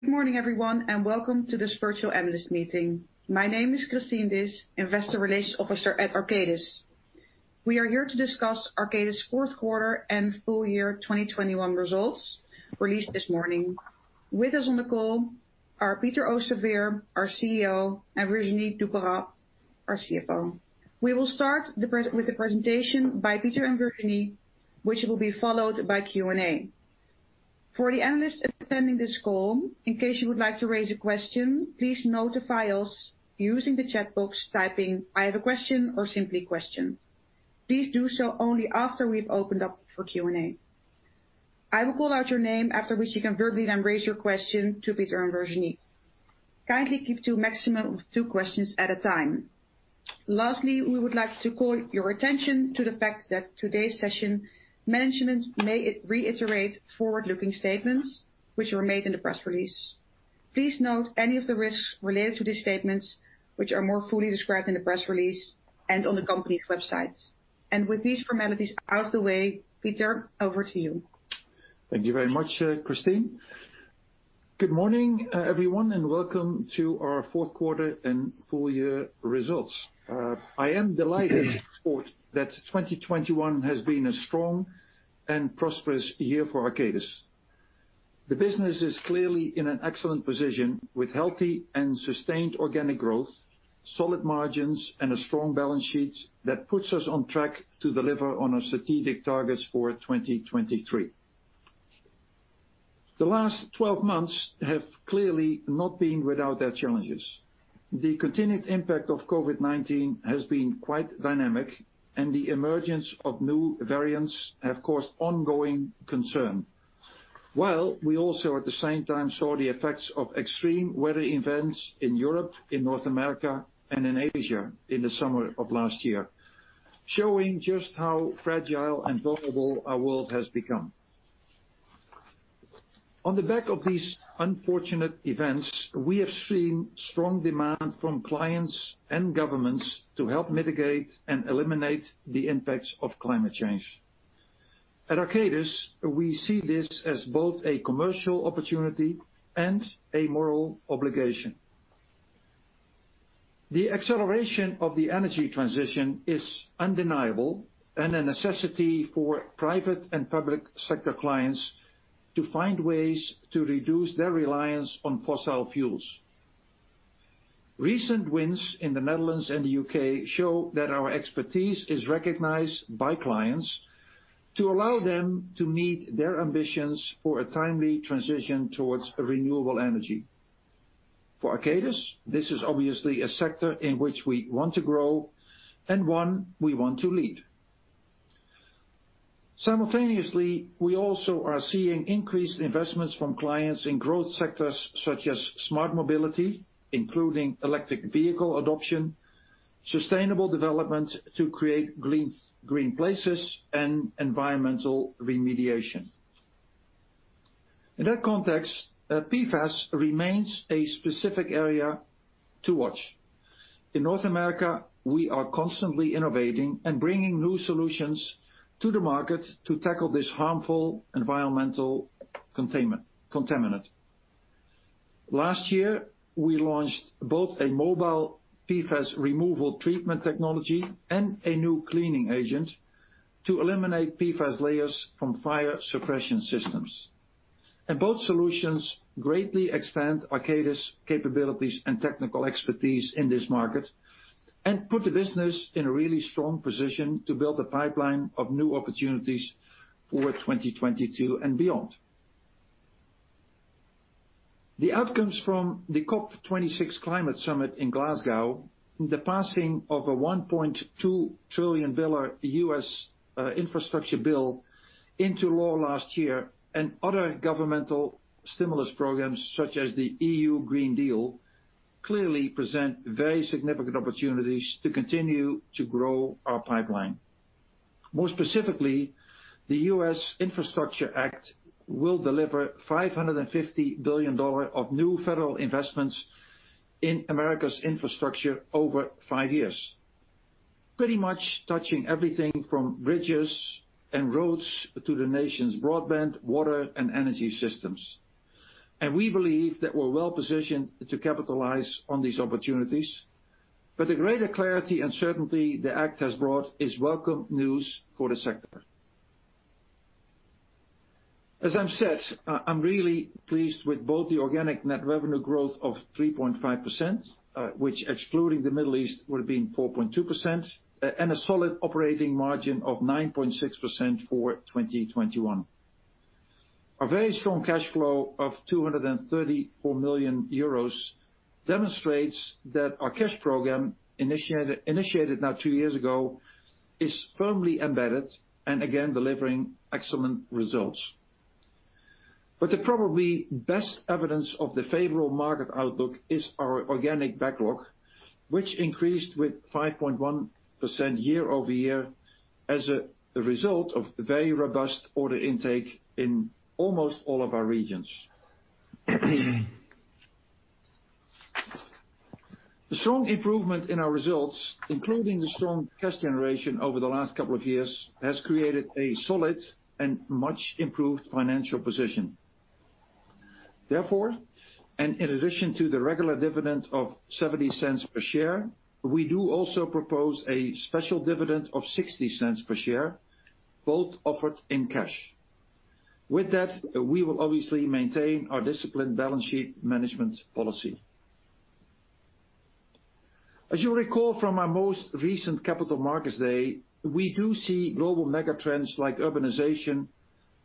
Good morning, everyone, and welcome to this virtual analyst meeting. My name is Christine Disch, Investor Relations Officer at Arcadis. We are here to discuss Arcadis' fourth quarter and full year 2021 results released this morning. With us on the call are Peter Oosterveer, our CEO, and Virginie Duperat-Vergne, our CFO. We will start with the presentation by Peter and Virginie, which will be followed by Q and A. For the analysts attending this call, in case you would like to raise a question, please notify us using the chat box, typing, "I have a question," or simply, "Question." Please do so only after we've opened up for Q and A. I will call out your name, after which you can verbally then raise your question to Peter and Virginie. Kindly keep to a maximum of two questions at a time. Lastly, we would like to call your attention to the fact that today's session, management may reiterate forward-looking statements which were made in the press release. Please note any of the risks related to these statements, which are more fully described in the press release and on the company's website. With these formalities out of the way, Peter, over to you. Thank you very much, Christine. Good morning, everyone, and welcome to our fourth quarter and full year results. I am delighted to report that 2021 has been a strong and prosperous year for Arcadis. The business is clearly in an excellent position with healthy and sustained organic growth, solid margins, and a strong balance sheet that puts us on track to deliver on our strategic targets for 2023. The last 12 months have clearly not been without their challenges. The continued impact of COVID-19 has been quite dynamic, and the emergence of new variants have caused ongoing concern. While we also, at the same time, saw the effects of extreme weather events in Europe, in North America, and in Asia in the summer of last year, showing just how fragile and vulnerable our world has become. On the back of these unfortunate events, we have seen strong demand from clients and governments to help mitigate and eliminate the impacts of climate change. At Arcadis, we see this as both a commercial opportunity and a moral obligation. The acceleration of the energy transition is undeniable and a necessity for private and public sector clients to find ways to reduce their reliance on fossil fuels. Recent wins in the Netherlands and the U.K. show that our expertise is recognized by clients to allow them to meet their ambitions for a timely transition towards renewable energy. For Arcadis, this is obviously a sector in which we want to grow and one we want to lead. Simultaneously, we also are seeing increased investments from clients in growth sectors such as smart mobility, including electric vehicle adoption, sustainable development to create green places, and environmental remediation. In that context, PFAS remains a specific area to watch. In North America, we are constantly innovating and bringing new solutions to the market to tackle this harmful environmental contaminant. Last year, we launched both a mobile PFAS removal treatment technology and a new cleaning agent to eliminate PFAS layers from fire suppression systems. Both solutions greatly expand Arcadis' capabilities and technical expertise in this market and put the business in a really strong position to build a pipeline of new opportunities for 2022 and beyond. The outcomes from the COP26 climate summit in Glasgow, the passing of a $1.2 trillion US infrastructure bill into law last year, and other governmental stimulus programs, such as the EU Green Deal, clearly present very significant opportunities to continue to grow our pipeline. More specifically, the U.S. Infrastructure Act will deliver $550 billion of new federal investments in America's infrastructure over five years. Pretty much touching everything from bridges and roads to the nation's broadband, water, and energy systems. We believe that we're well-positioned to capitalize on these opportunities. The greater clarity and certainty the Act has brought is welcome news for the sector. As I've said, I'm really pleased with both the organic net revenue growth of 3.5%, which excluding the Middle East would have been 4.2%, and a solid operating margin of 9.6% for 2021. A very strong cash flow of 234 million euros demonstrates that our cash program initiated now two years ago is firmly embedded and again delivering excellent results. The probably best evidence of the favorable market outlook is our organic backlog, which increased by 5.1% year-over-year as a result of very robust order intake in almost all of our regions. The strong improvement in our results, including the strong cash generation over the last couple of years, has created a solid and much improved financial position. Therefore, in addition to the regular dividend of 0.70 per share, we do also propose a special dividend of 0.60 per share, both offered in cash. With that, we will obviously maintain our disciplined balance sheet management policy. As you recall from our most recent Capital Markets Day, we do see global mega trends like urbanization,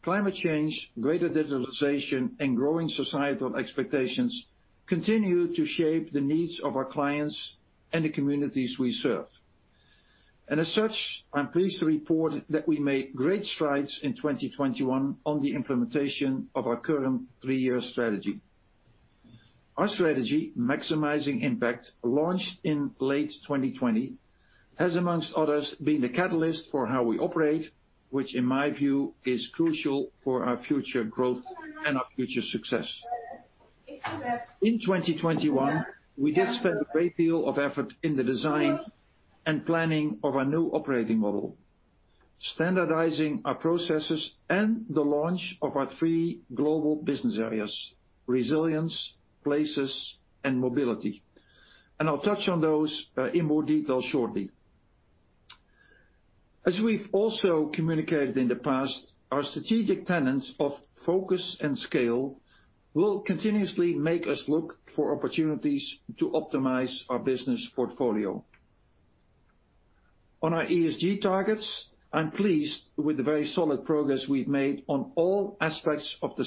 climate change, greater digitalization, and growing societal expectations continue to shape the needs of our clients and the communities we serve. As such, I'm pleased to report that we made great strides in 2021 on the implementation of our current three-year strategy. Our strategy, Maximizing Impact, launched in late 2020, has, among others, been the catalyst for how we operate, which in my view, is crucial for our future growth and our future success. In 2021, we did spend a great deal of effort in the design and planning of our new operating model, standardizing our processes and the launch of our three global business areas, Resilience, Places, and Mobility. I'll touch on those in more detail shortly. As we've also communicated in the past, our strategic tenets of focus and scale will continuously make us look for opportunities to optimize our business portfolio. On our ESG targets, I'm pleased with the very solid progress we've made on all aspects of the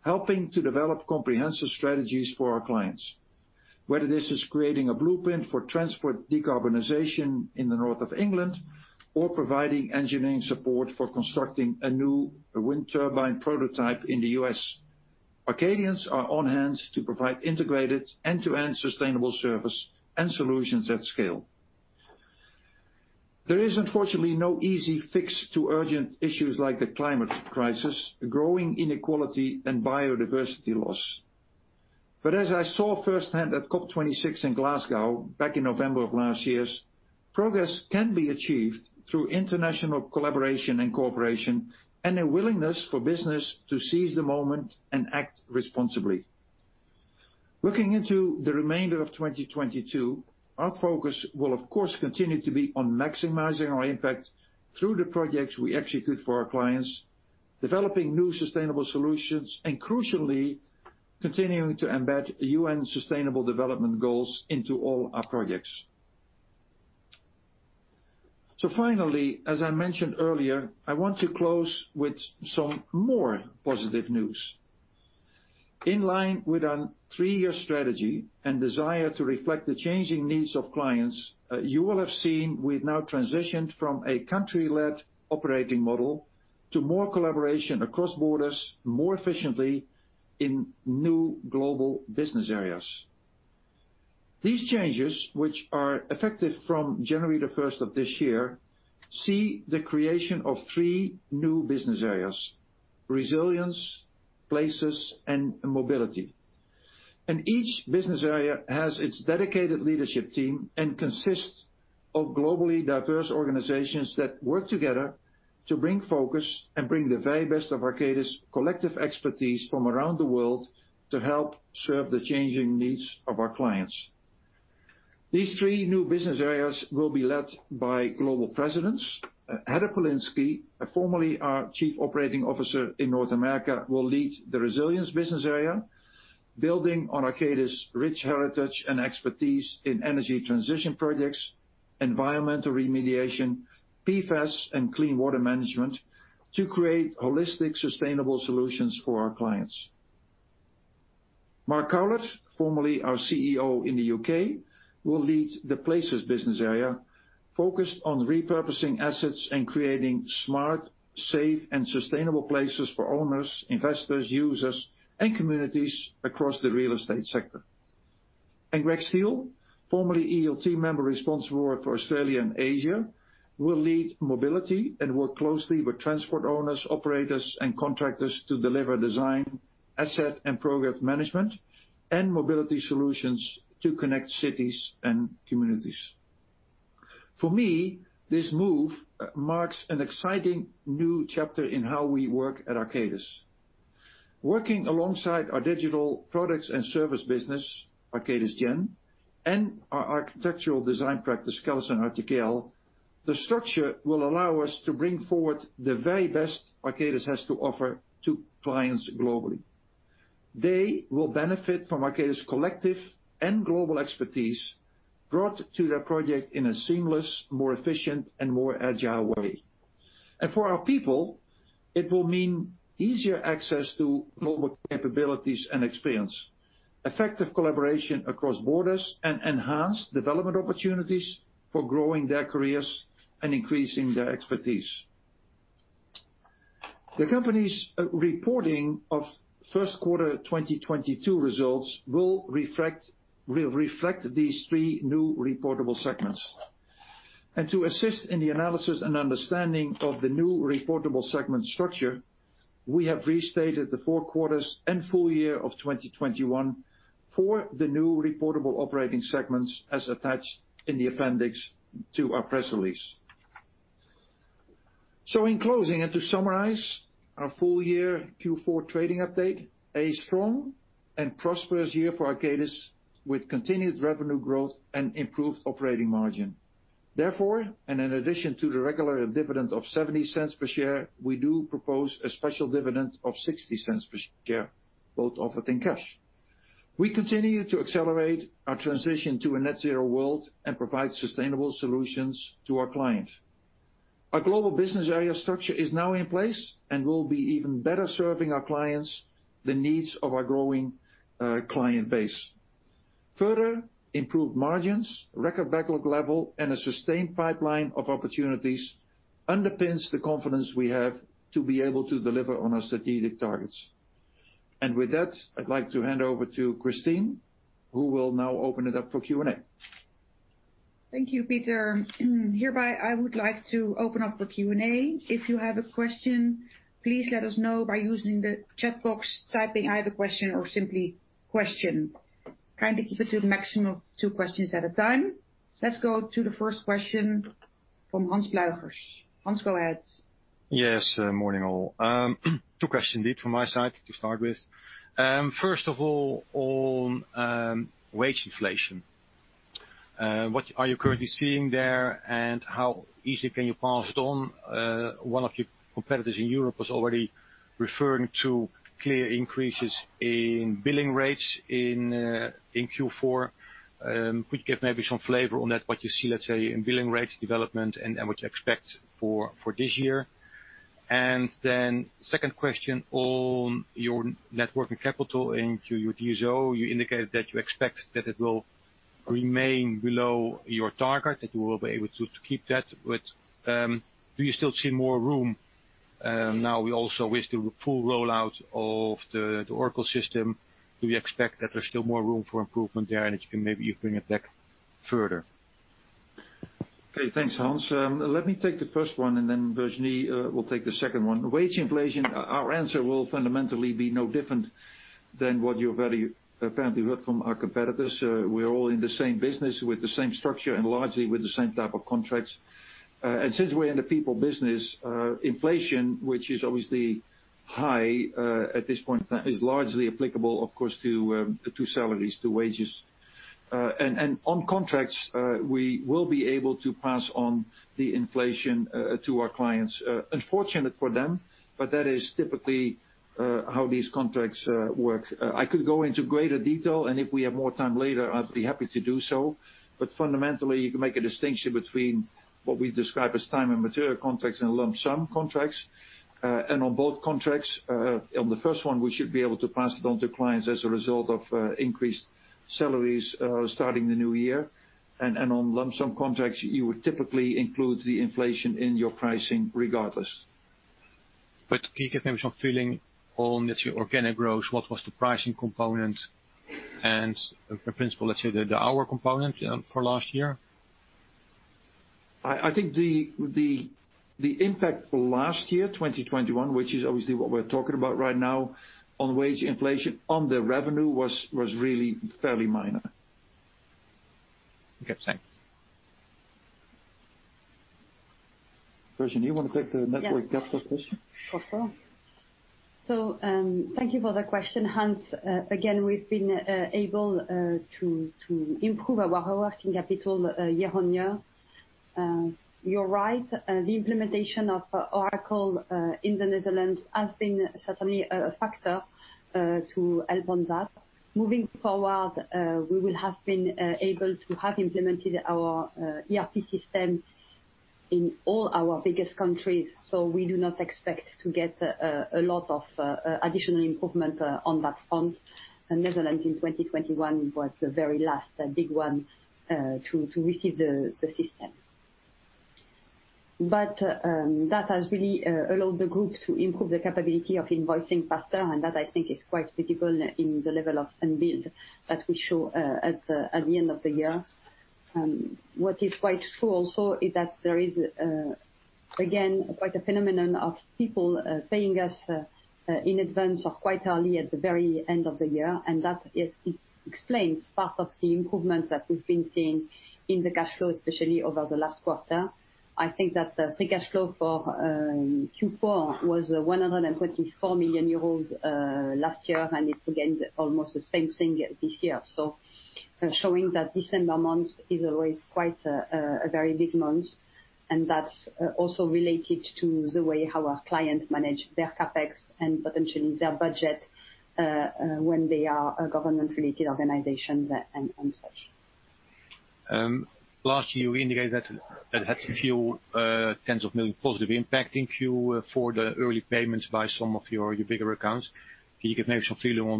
end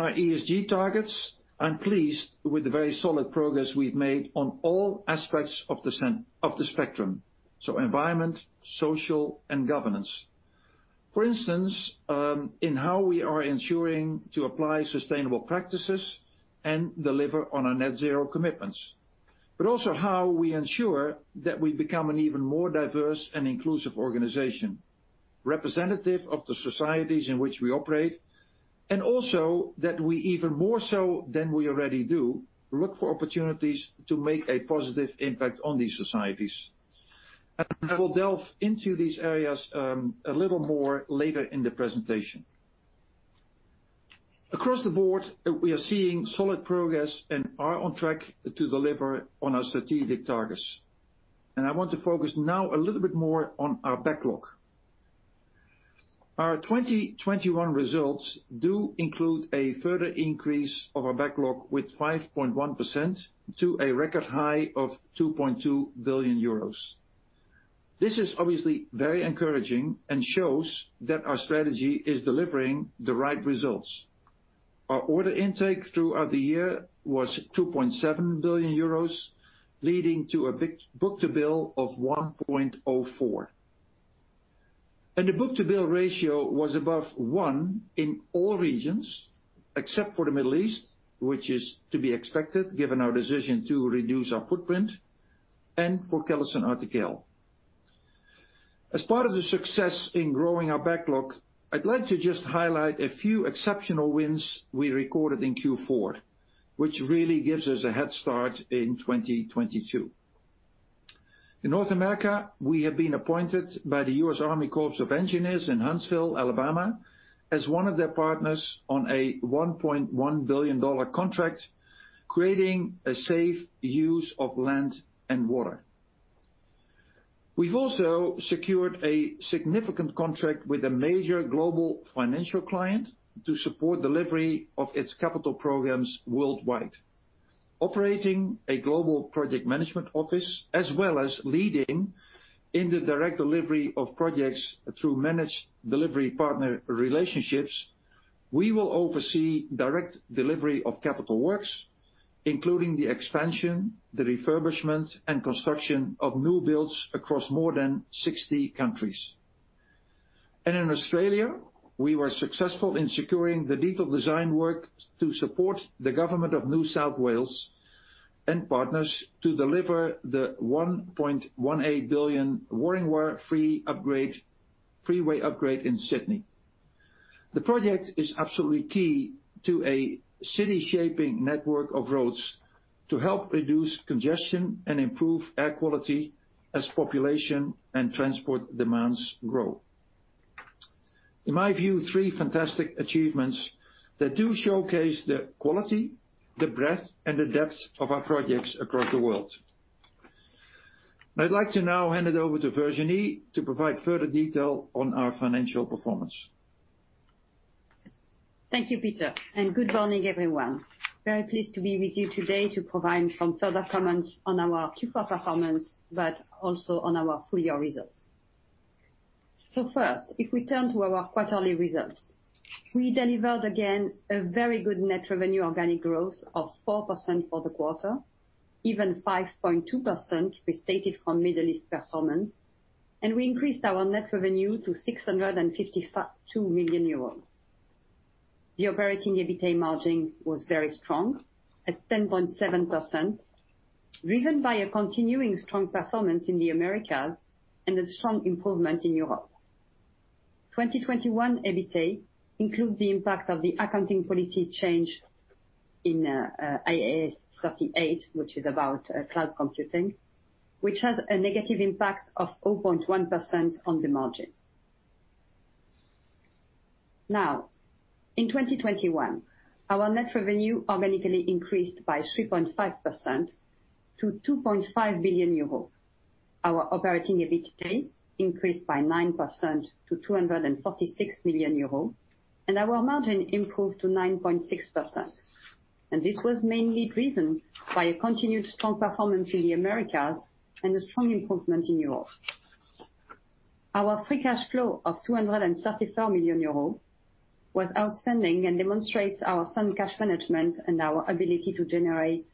of the spectrum, so environment, social, and governance. For instance, in how we are ensuring to apply sustainable practices and deliver on our net zero commitments. But also how we ensure that we become an even more diverse and inclusive organization, representative of the societies in which we operate, and also that we even more so than we already do, look for opportunities to make a positive impact on these societies. I will delve into these areas, a little more later in the presentation. Across the board, we are seeing solid progress and are on track to deliver on our strategic targets. I want to focus now a little bit more on our backlog. Our 2021 results do include a further increase of our backlog with 5.1% to a record high of 2.2 billion euros. This is obviously very encouraging and shows that our strategy is delivering the right results. Our order intake throughout the year was 2.7 billion euros, leading to a big book-to-bill of 1.04. The book-to-bill ratio was above one in all regions, except for the Middle East, which is to be expected, given our decision to reduce our footprint, and for CallisonRTKL. As part of the success in growing our backlog, I'd like to just highlight a few exceptional wins we recorded in Q4, which really gives us a head start in 2022. In North America, we have been appointed by the U.S. Army Corps of Engineers in Huntsville, Alabama, as one of their partners on a $1.1 billion contract, creating a safe use of land and water. We've also secured a significant contract with a major global financial client to support delivery of its capital programs worldwide. Operating a global project management office, as well as leading in the direct delivery of projects through managed delivery partner relationships, we will oversee direct delivery of capital works, including the expansion, the refurbishment, and construction of new builds across more than 60 countries. In Australia, we were successful in securing the detailed design work to support the government of New South Wales and partners to deliver the 1.18 billion Warringah Freeway Upgrade in Sydney. The project is absolutely key to a city shaping network of roads to help reduce congestion and improve air quality as population and transport demands grow. In my view, three fantastic achievements that do showcase the quality, the breadth, and the depth of our projects across the world. I'd like to now hand it over to Virginie to provide further detail on our financial performance. Thank you, Peter, and good morning, everyone. Very pleased to be with you today to provide some further comments on our Q4 performance, but also on our full year results. First, if we turn to our quarterly results, we delivered again a very good net revenue organic growth of 4% for the quarter, even 5.2% restated from Middle East performance, and we increased our net revenue to 652 million euros. The operating EBITDA margin was very strong at 10.7%, driven by a continuing strong performance in the Americas and a strong improvement in Europe. 2021 EBITDA includes the impact of the accounting policy change in IAS 38, which is about cloud computing, which has a negative impact of 0.1% on the margin. Now, in 2021, our net revenue organically increased by 3.5% to 2.5 billion euro. Our operating EBITDA increased by 9% to 246 million euro, and our margin improved to 9.6%. This was mainly driven by a continued strong performance in the Americas and a strong improvement in Europe. Our free cash flow of 234 million euros was outstanding and demonstrates our sound cash management and our ability to generate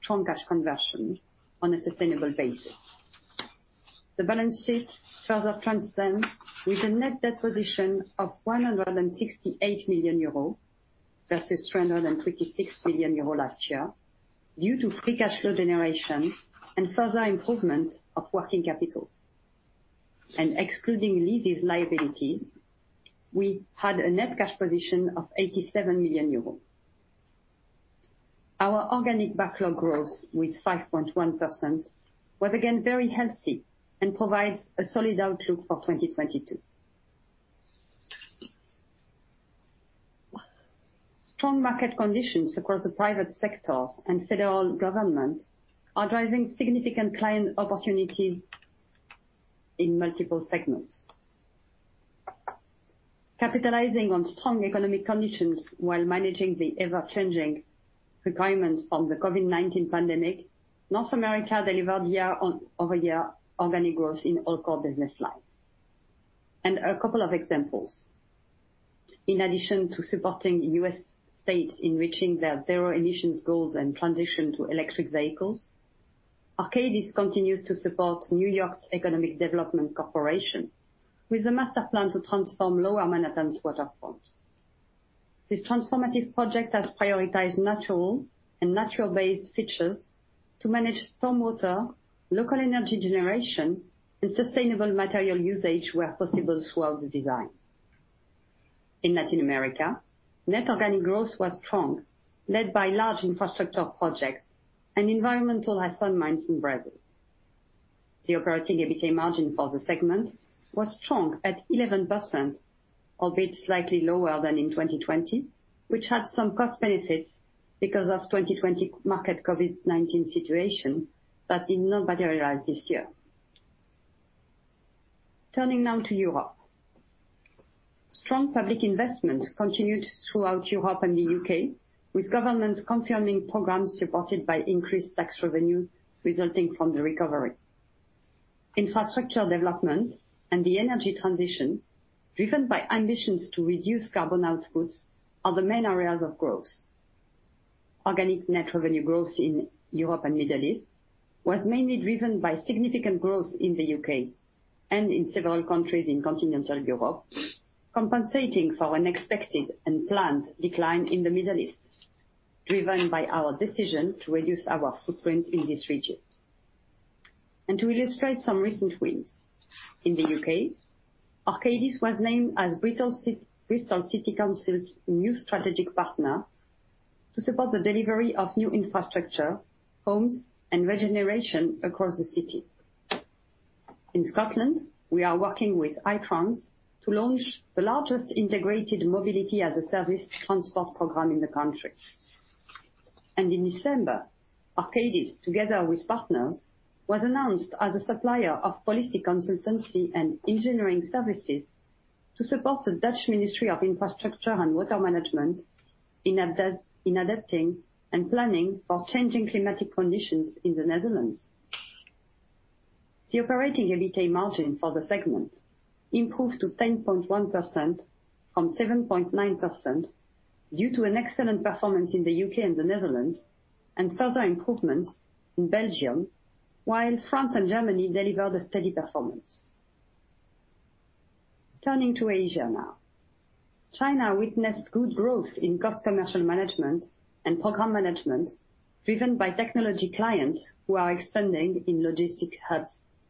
strong cash conversion on a sustainable basis. The balance sheet further strengthens with a net debt position of 168 million euros versus 236 million euros last year due to free cash flow generation and further improvement of working capital. Excluding lease liability, we had a net cash position of 87 million euros. Our organic backlog growth with 5.1% was again very healthy and provides a solid outlook for 2022. Strong market conditions across the private sectors and federal government are driving significant client opportunities in multiple segments. Capitalizing on strong economic conditions while managing the ever-changing requirements from the COVID-19 pandemic, North America delivered year-over-year organic growth in all core business lines. A couple of examples. In addition to supporting U.S. states in reaching their zero emissions goals and transition to electric vehicles, Arcadis continues to support New York City Economic Development Corporation with a master plan to transform Lower Manhattan's waterfront. This transformative project has prioritized natural and natural-based features to manage storm water, local energy generation, and sustainable material usage where possible throughout the design. In Latin America, net organic growth was strong, led by large infrastructure projects and environmental. Turning to Asia now. China witnessed good growth in cost and commercial management and program management, driven by technology clients who are expanding in logistics hubs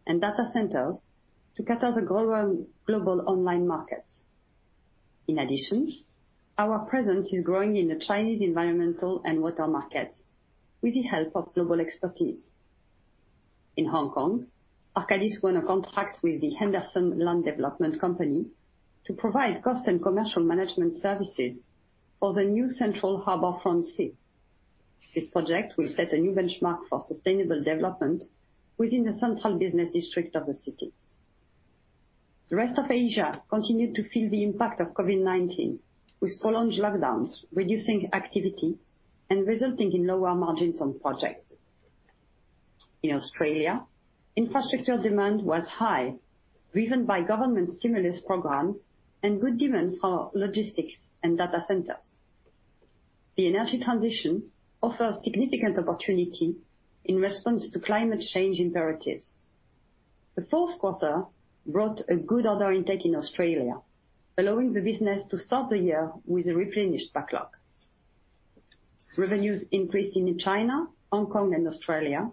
and data centers to cater to the global online markets. Our presence is growing in the Chinese environmental and water markets with the help of global expertise. In Hong Kong, Arcadis won a contract with the Henderson Land Development Company to provide cost and commercial management services for the New Central Harbourfront Site 3. This project will set a new benchmark for sustainable development within the central business district of the city. The rest of Asia continued to feel the impact of COVID-19, with prolonged lockdowns reducing activity and resulting in lower margins on projects. In Australia, infrastructure demand was high, driven by government stimulus programs and good demand for logistics and data centers. The energy transition offers significant opportunity in response to climate change imperatives. The fourth quarter brought a good order intake in Australia, allowing the business to start the year with a replenished backlog. Revenues increased in China, Hong Kong, and Australia,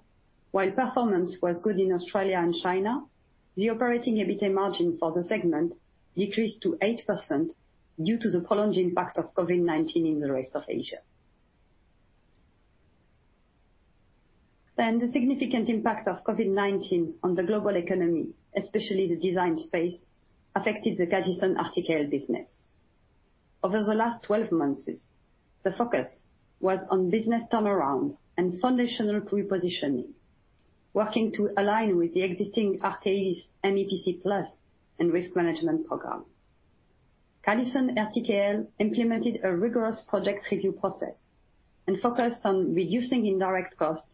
while performance was good in Australia and China. The operating EBITDA margin for the segment decreased to 8% due to the prolonged impact of COVID-19 in the rest of Asia. The significant impact of COVID-19 on the global economy, especially the design space, affected the CallisonRTKL business. Over the last 12 months, the focus was on business turnaround and foundational repositioning, working to align with the existing Arcadis MEPC+ and risk management program. CallisonRTKL implemented a rigorous project review process and focused on reducing indirect costs,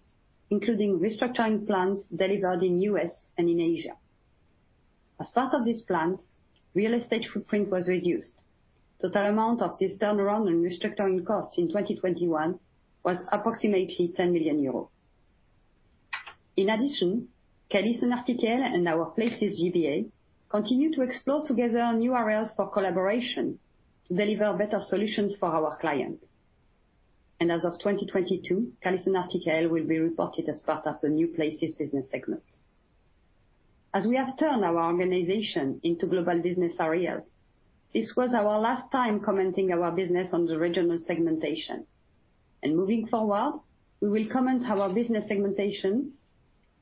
including restructuring plans delivered in U.S. and in Asia. As part of these plans, real estate footprint was reduced. Total amount of this turnaround and restructuring costs in 2021 was approximately 10 million euros. In addition, CallisonRTKL and our Places GBA continue to explore together new areas for collaboration to deliver better solutions for our client. As of 2022, CallisonRTKL will be reported as part of the new Places business segment. As we have turned our organization into global business areas, this was our last time commenting our business on the regional segmentation. Moving forward, we will comment our business segmentation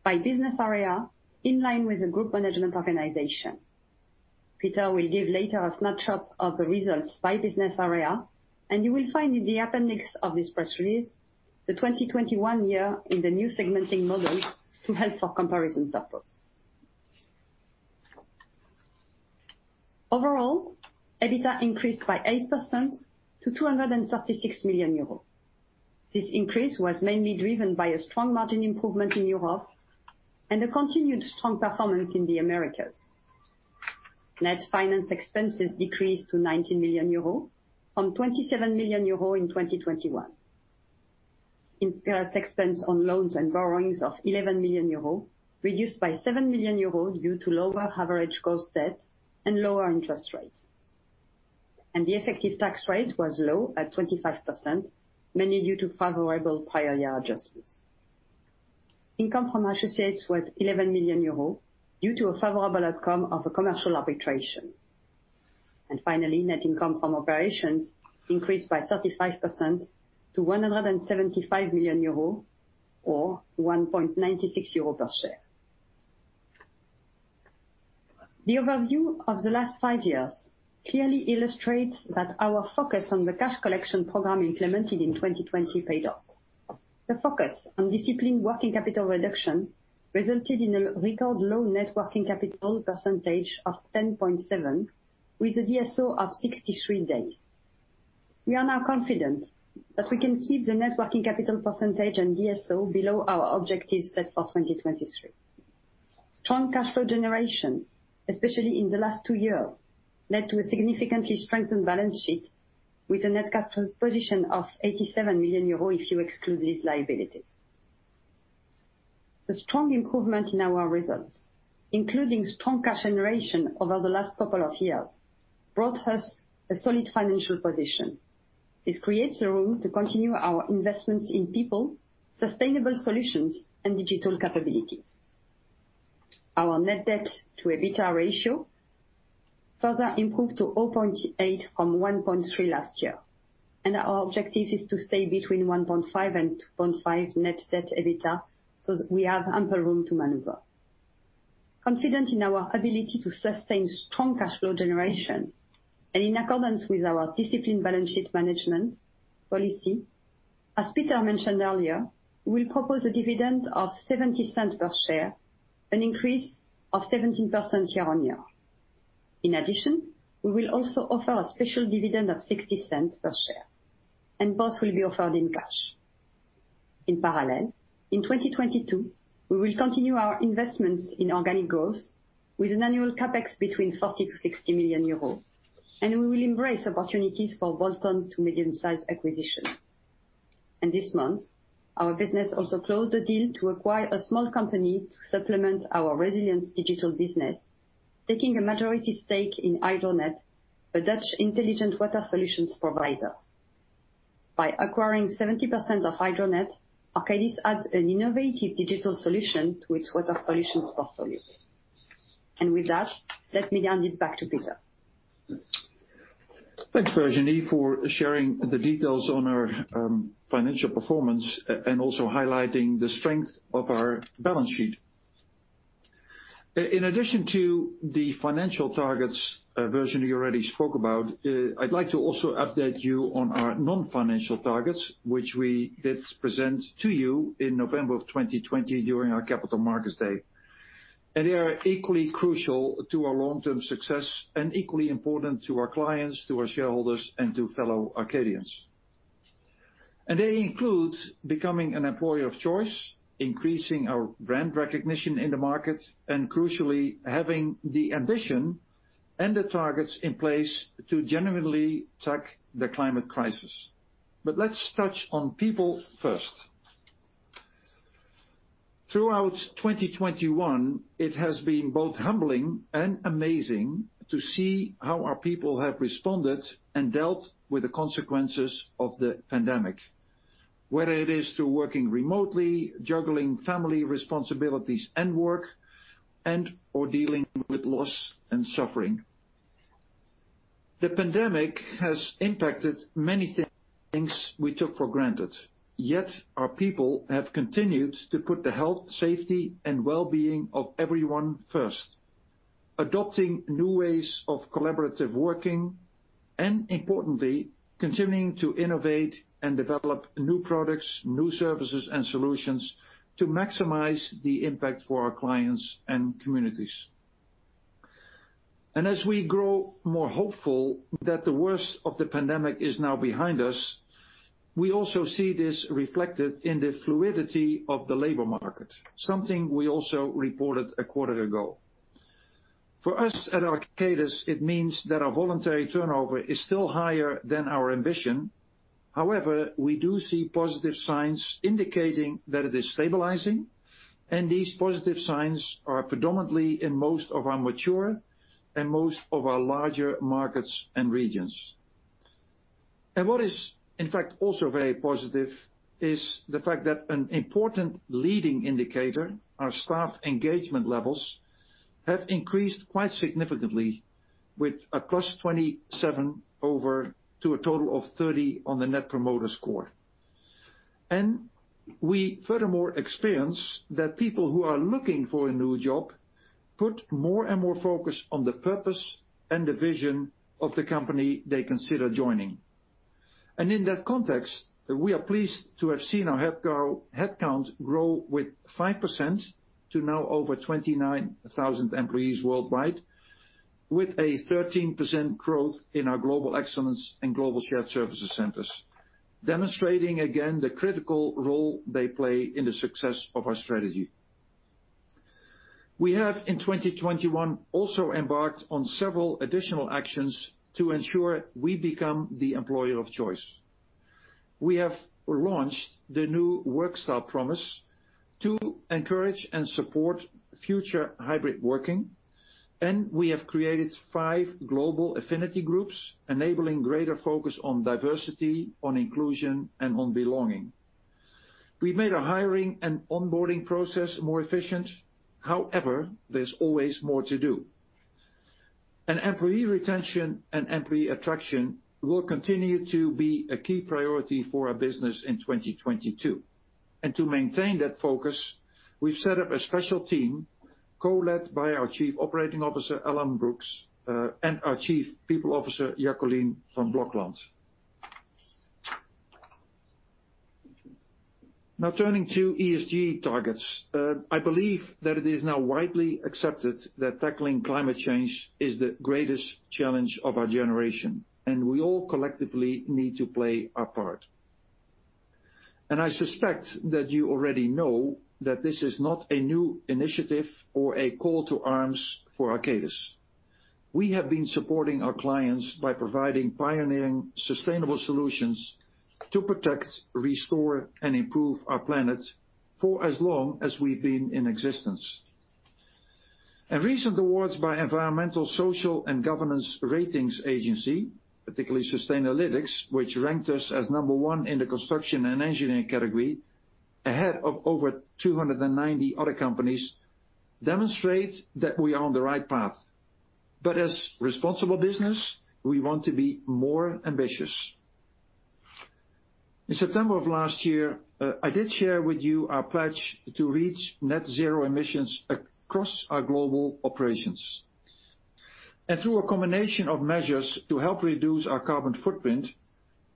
by business area in line with the group management organization. Peter will give later a snapshot of the results by business area, and you will find in the appendix of this press release the 2021 year in the new segmenting model to help for comparison purpose. Overall, EBITDA increased by 8% to 236 million euros. This increase was mainly driven by a strong margin improvement in Europe and a continued strong performance in the Americas. Net finance expenses decreased to 90 million euros from 27 million euros in 2021, with interest expense on loans and borrowings of 11 million euros, reduced by 7 million euros due to lower average cost of debt and lower interest rates. The effective tax rate was low at 25%, mainly due to favorable prior year adjustments. Income from associates was 11 million euros due to a favorable outcome of a commercial arbitration. Finally, net income from operations increased by 35% to 175 million euro or 1.96 euro per share. The overview of the last five years clearly illustrates that our focus on the cash collection program implemented in 2020 paid off. The focus on disciplined working capital reduction resulted in a record low net working capital percentage of 10.7%, with a DSO of 63 days. We are now confident that we can keep the net working capital percentage and DSO below our objectives set for 2023. Strong cash flow generation, especially in the last two years, led to a significantly strengthened balance sheet with a net capital position of 87 million euros if you exclude lease liabilities. The strong improvement in our results, including strong cash generation over the last couple of years, brought us a solid financial position. This creates room to continue our investments in people, sustainable solutions and digital capabilities. Our net debt to EBITDA ratio further improved to 0.8 from 1.3 last year. Our objective is to stay between 1.5 and 2.5 net debt EBITDA, so we have ample room to maneuver. We are confident in our ability to sustain strong cash flow generation and in accordance with our disciplined balance sheet management policy, as Peter mentioned earlier, we'll propose a dividend of 0.70 per share, an increase of 17% year-on-year. In addition, we will also offer a special dividend of 0.60 per share, and both will be offered in cash. In parallel, in 2022 we will continue our investments in organic growth with an annual CapEx between 40 million and 60 million euros, and we will embrace opportunities for bolt-on to medium-size acquisition. This month, our business also closed a deal to acquire a small company to supplement our Resilience digital business, taking a majority stake in HydroNET, a Dutch intelligent water solutions provider. By acquiring 70% of HydroNET, Arcadis adds an innovative digital solution to its water solutions portfolio. With that, let me hand it back to Peter. Thanks, Virginie, for sharing the details on our financial performance and also highlighting the strength of our balance sheet. In addition to the financial targets Virginie already spoke about, I'd like to also update you on our non-financial targets, which we did present to you in November of 2020 during our Capital Markets Day. They are equally crucial to our long-term success and equally important to our clients, to our shareholders, and to fellow Arcadians. They include becoming an employer of choice, increasing our brand recognition in the market, and crucially, having the ambition and the targets in place to genuinely tackle the climate crisis. Let's touch on people first. Throughout 2021, it has been both humbling and amazing to see how our people have responded and dealt with the consequences of the pandemic, whether it is through working remotely, juggling family responsibilities and work, and/or dealing with loss and suffering. The pandemic has impacted many things we took for granted. Yet, our people have continued to put the health, safety, and well-being of everyone first, adopting new ways of collaborative working, and importantly, continuing to innovate and develop new products, new services and solutions to maximize the impact for our clients and communities. As we grow more hopeful that the worst of the pandemic is now behind us, we also see this reflected in the fluidity of the labor market, something we also reported a quarter ago. For us at Arcadis, it means that our voluntary turnover is still higher than our ambition. However, we do see positive signs indicating that it is stabilizing, and these positive signs are predominantly in most of our mature and most of our larger markets and regions. What is, in fact, also very positive is the fact that an important leading indicator, our staff engagement levels, have increased quite significantly from 27 to a total of 30 on the Net Promoter Score. We furthermore experience that people who are looking for a new job put more and more focus on the purpose and the vision of the company they consider joining. In that context, we are pleased to have seen our headcount grow with 5% to now over 29,000 employees worldwide, with a 13% growth in our Global Excellence and Global Shared Services Centers, demonstrating again the critical role they play in the success of our strategy. We have, in 2021, also embarked on several additional actions to ensure we become the employer of choice. We have launched the new Workstyle Promise to encourage and support future hybrid working, and we have created five global affinity groups, enabling greater focus on diversity, on inclusion, and on belonging. We've made our hiring and onboarding process more efficient. However, there's always more to do. Employee retention and employee attraction will continue to be a key priority for our business in 2022. To maintain that focus, we've set up a special team co-led by our Chief Operating Officer, Alan Brookes, and our Chief People Officer, Jacoline van Blokland. Now, turning to ESG targets. I believe that it is now widely accepted that tackling climate change is the greatest challenge of our generation, and we all collectively need to play our part. I suspect that you already know that this is not a new initiative or a call to arms for Arcadis. We have been supporting our clients by providing pioneering sustainable solutions to protect, restore, and improve our planet for as long as we've been in existence. Recent awards by environmental, social, and governance ratings agency, particularly Sustainalytics, which ranked us as number one in the construction and engineering category, ahead of over 290 other companies, demonstrate that we are on the right path. As responsible business, we want to be more ambitious. In September of last year, I did share with you our pledge to reach net zero emissions across our global operations. Through a combination of measures to help reduce our carbon footprint,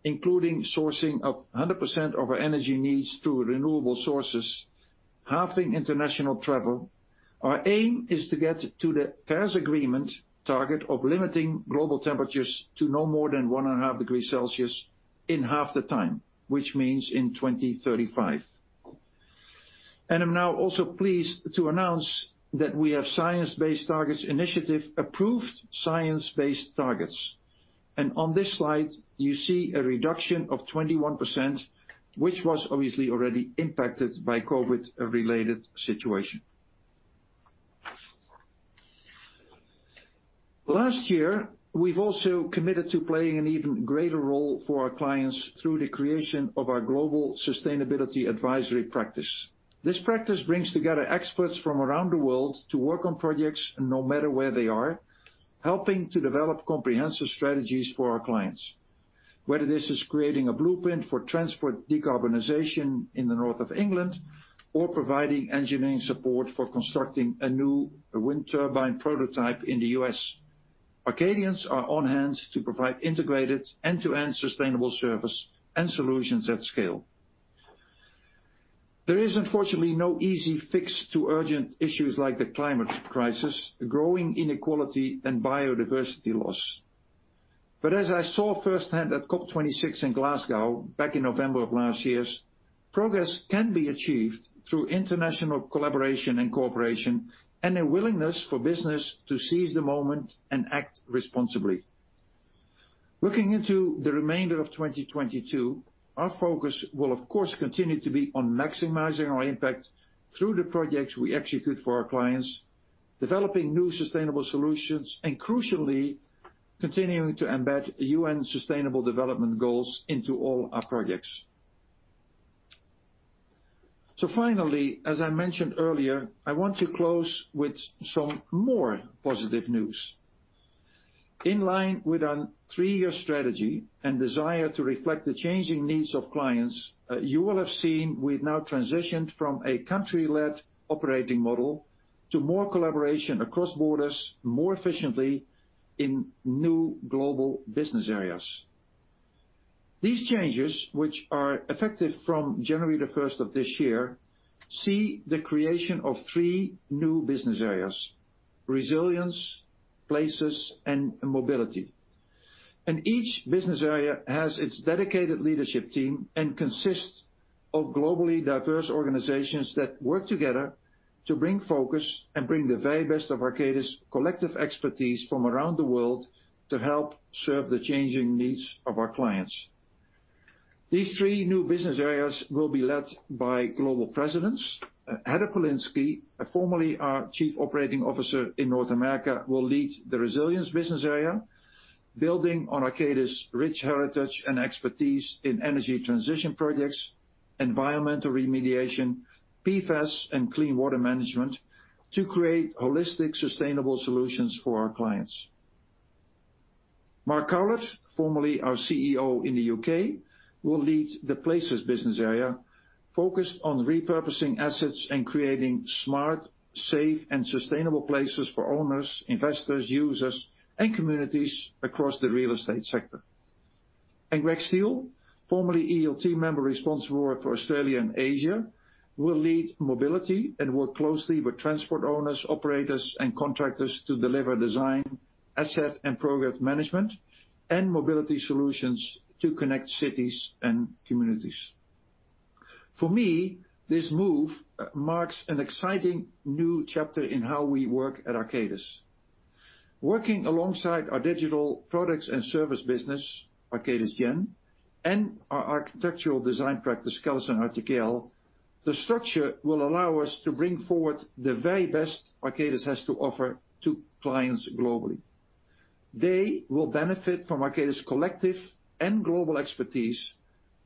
including sourcing of 100% of our energy needs to renewable sources, halving international travel, our aim is to get to the Paris Agreement target of limiting global temperatures to no more than 1.5 degree Celsius in half the time, which means in 2035. I'm now also pleased to announce that we have Science Based Targets initiative approved science-based targets. On this slide, you see a reduction of 21%, which was obviously already impacted by COVID-related situation. Last year, we've also committed to playing an even greater role for our clients through the creation of our global sustainability advisory practice. This practice brings together experts from around the world to work on projects, no matter where they are, helping to develop comprehensive strategies for our clients. Whether this is creating a blueprint for transport decarbonization in the north of England or providing engineering support for constructing a new wind turbine prototype in the US, Arcadians are on hand to provide integrated end-to-end sustainable service and solutions at scale. There is unfortunately no easy fix to urgent issues like the climate crisis, growing inequality, and biodiversity loss. As I saw firsthand at COP26 in Glasgow back in November of last year, progress can be achieved through international collaboration and cooperation and a willingness for business to seize the moment and act responsibly. Looking into the remainder of 2022, our focus will of course continue to be on Maximizing Impact through the projects we execute for our clients, developing new sustainable solutions, and crucially, continuing to embed UN Sustainable Development Goals into all our projects. Finally, as I mentioned earlier, I want to close with some more positive news. In line with our three-year strategy and desire to reflect the changing needs of clients, you will have seen we've now transitioned from a country-led operating model to more collaboration across borders, more efficiently in new global business areas. These changes, which are effective from January 1st of this year, see the creation of three new business areas, Resilience, Places and Mobility. Each business area has its dedicated leadership team and consists of globally diverse organizations that work together to bring focus and bring the very best of Arcadis collective expertise from around the world to help serve the changing needs of our clients. These three new business areas will be led by global presidents. Heather Polinsky, formerly our Chief Operating Officer in North America, will lead the Resilience business area, building on Arcadis' rich heritage and expertise in energy transition projects, environmental remediation, PFAS and clean water management to create holistic, sustainable solutions for our clients. Mark Cowlard, formerly our CEO in the U.K., will lead the Places business area focused on repurposing assets and creating smart, safe and sustainable places for owners, investors, users and communities across the real estate sector. Greg Steele, formerly ELT member responsible for Australia and Asia, will lead Mobility and work closely with transport owners, operators and contractors to deliver design, asset and program management and mobility solutions to connect cities and communities. For me, this move marks an exciting new chapter in how we work at Arcadis. Working alongside our digital products and service business, Arcadis Gen, and our architectural design practice, CallisonRTKL, the structure will allow us to bring forward the very best Arcadis has to offer to clients globally. They will benefit from Arcadis' collective and global expertise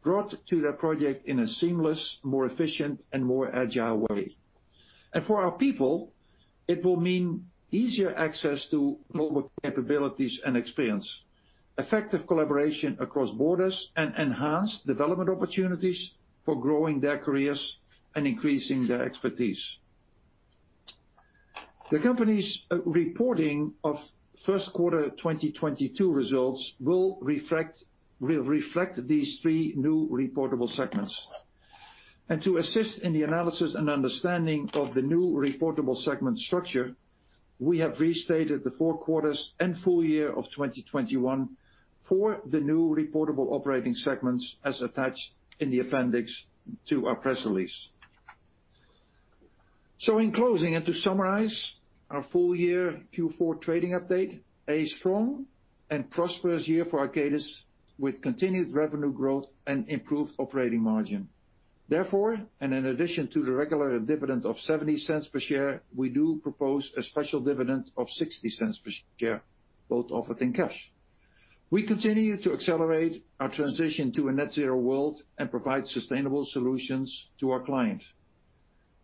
brought to their project in a seamless, more efficient and more agile way. For our people, it will mean easier access to global capabilities and experience, effective collaboration across borders and enhanced development opportunities for growing their careers and increasing their expertise. The company's reporting of first quarter 2022 results will reflect these three new reportable segments. To assist in the analysis and understanding of the new reportable segment structure, we have restated the four quarters and full year of 2021 for the new reportable operating segments as attached in the appendix to our press release. In closing, and to summarize our full year Q4 trading update, a strong and prosperous year for Arcadis with continued revenue growth and improved operating margin. Therefore, and in addition to the regular dividend of 0.70 per share, we do propose a special dividend of 0.60 per share, both offered in cash. We continue to accelerate our transition to a net zero world and provide sustainable solutions to our clients.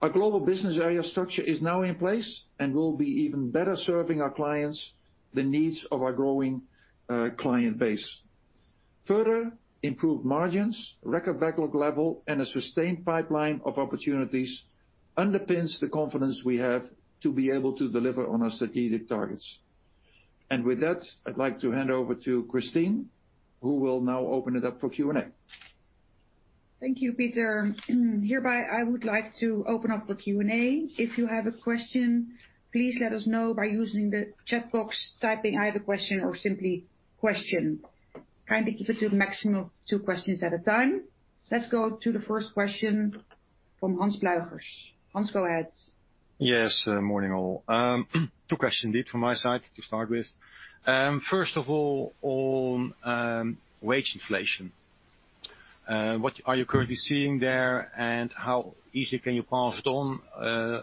Our Global Business Area structure is now in place and will be even better serving our clients the needs of our growing client base. Further improved margins, record backlog level and a sustained pipeline of opportunities underpins the confidence we have to be able to deliver on our strategic targets. With that, I'd like to hand over to Christine, who will now open it up for Q and A. Thank you, Peter. Hereby, I would like to open up for Q and A. If you have a question, please let us know by using the chat box, typing either question or simply question. Trying to keep it to a maximum of two questions at a time. Let's go to the first question from Hans Pluijgers. Hans, go ahead. Yes. Morning, all. Two questions indeed from my side to start with. First of all, on wage inflation, what are you currently seeing there and how easily can you pass it on?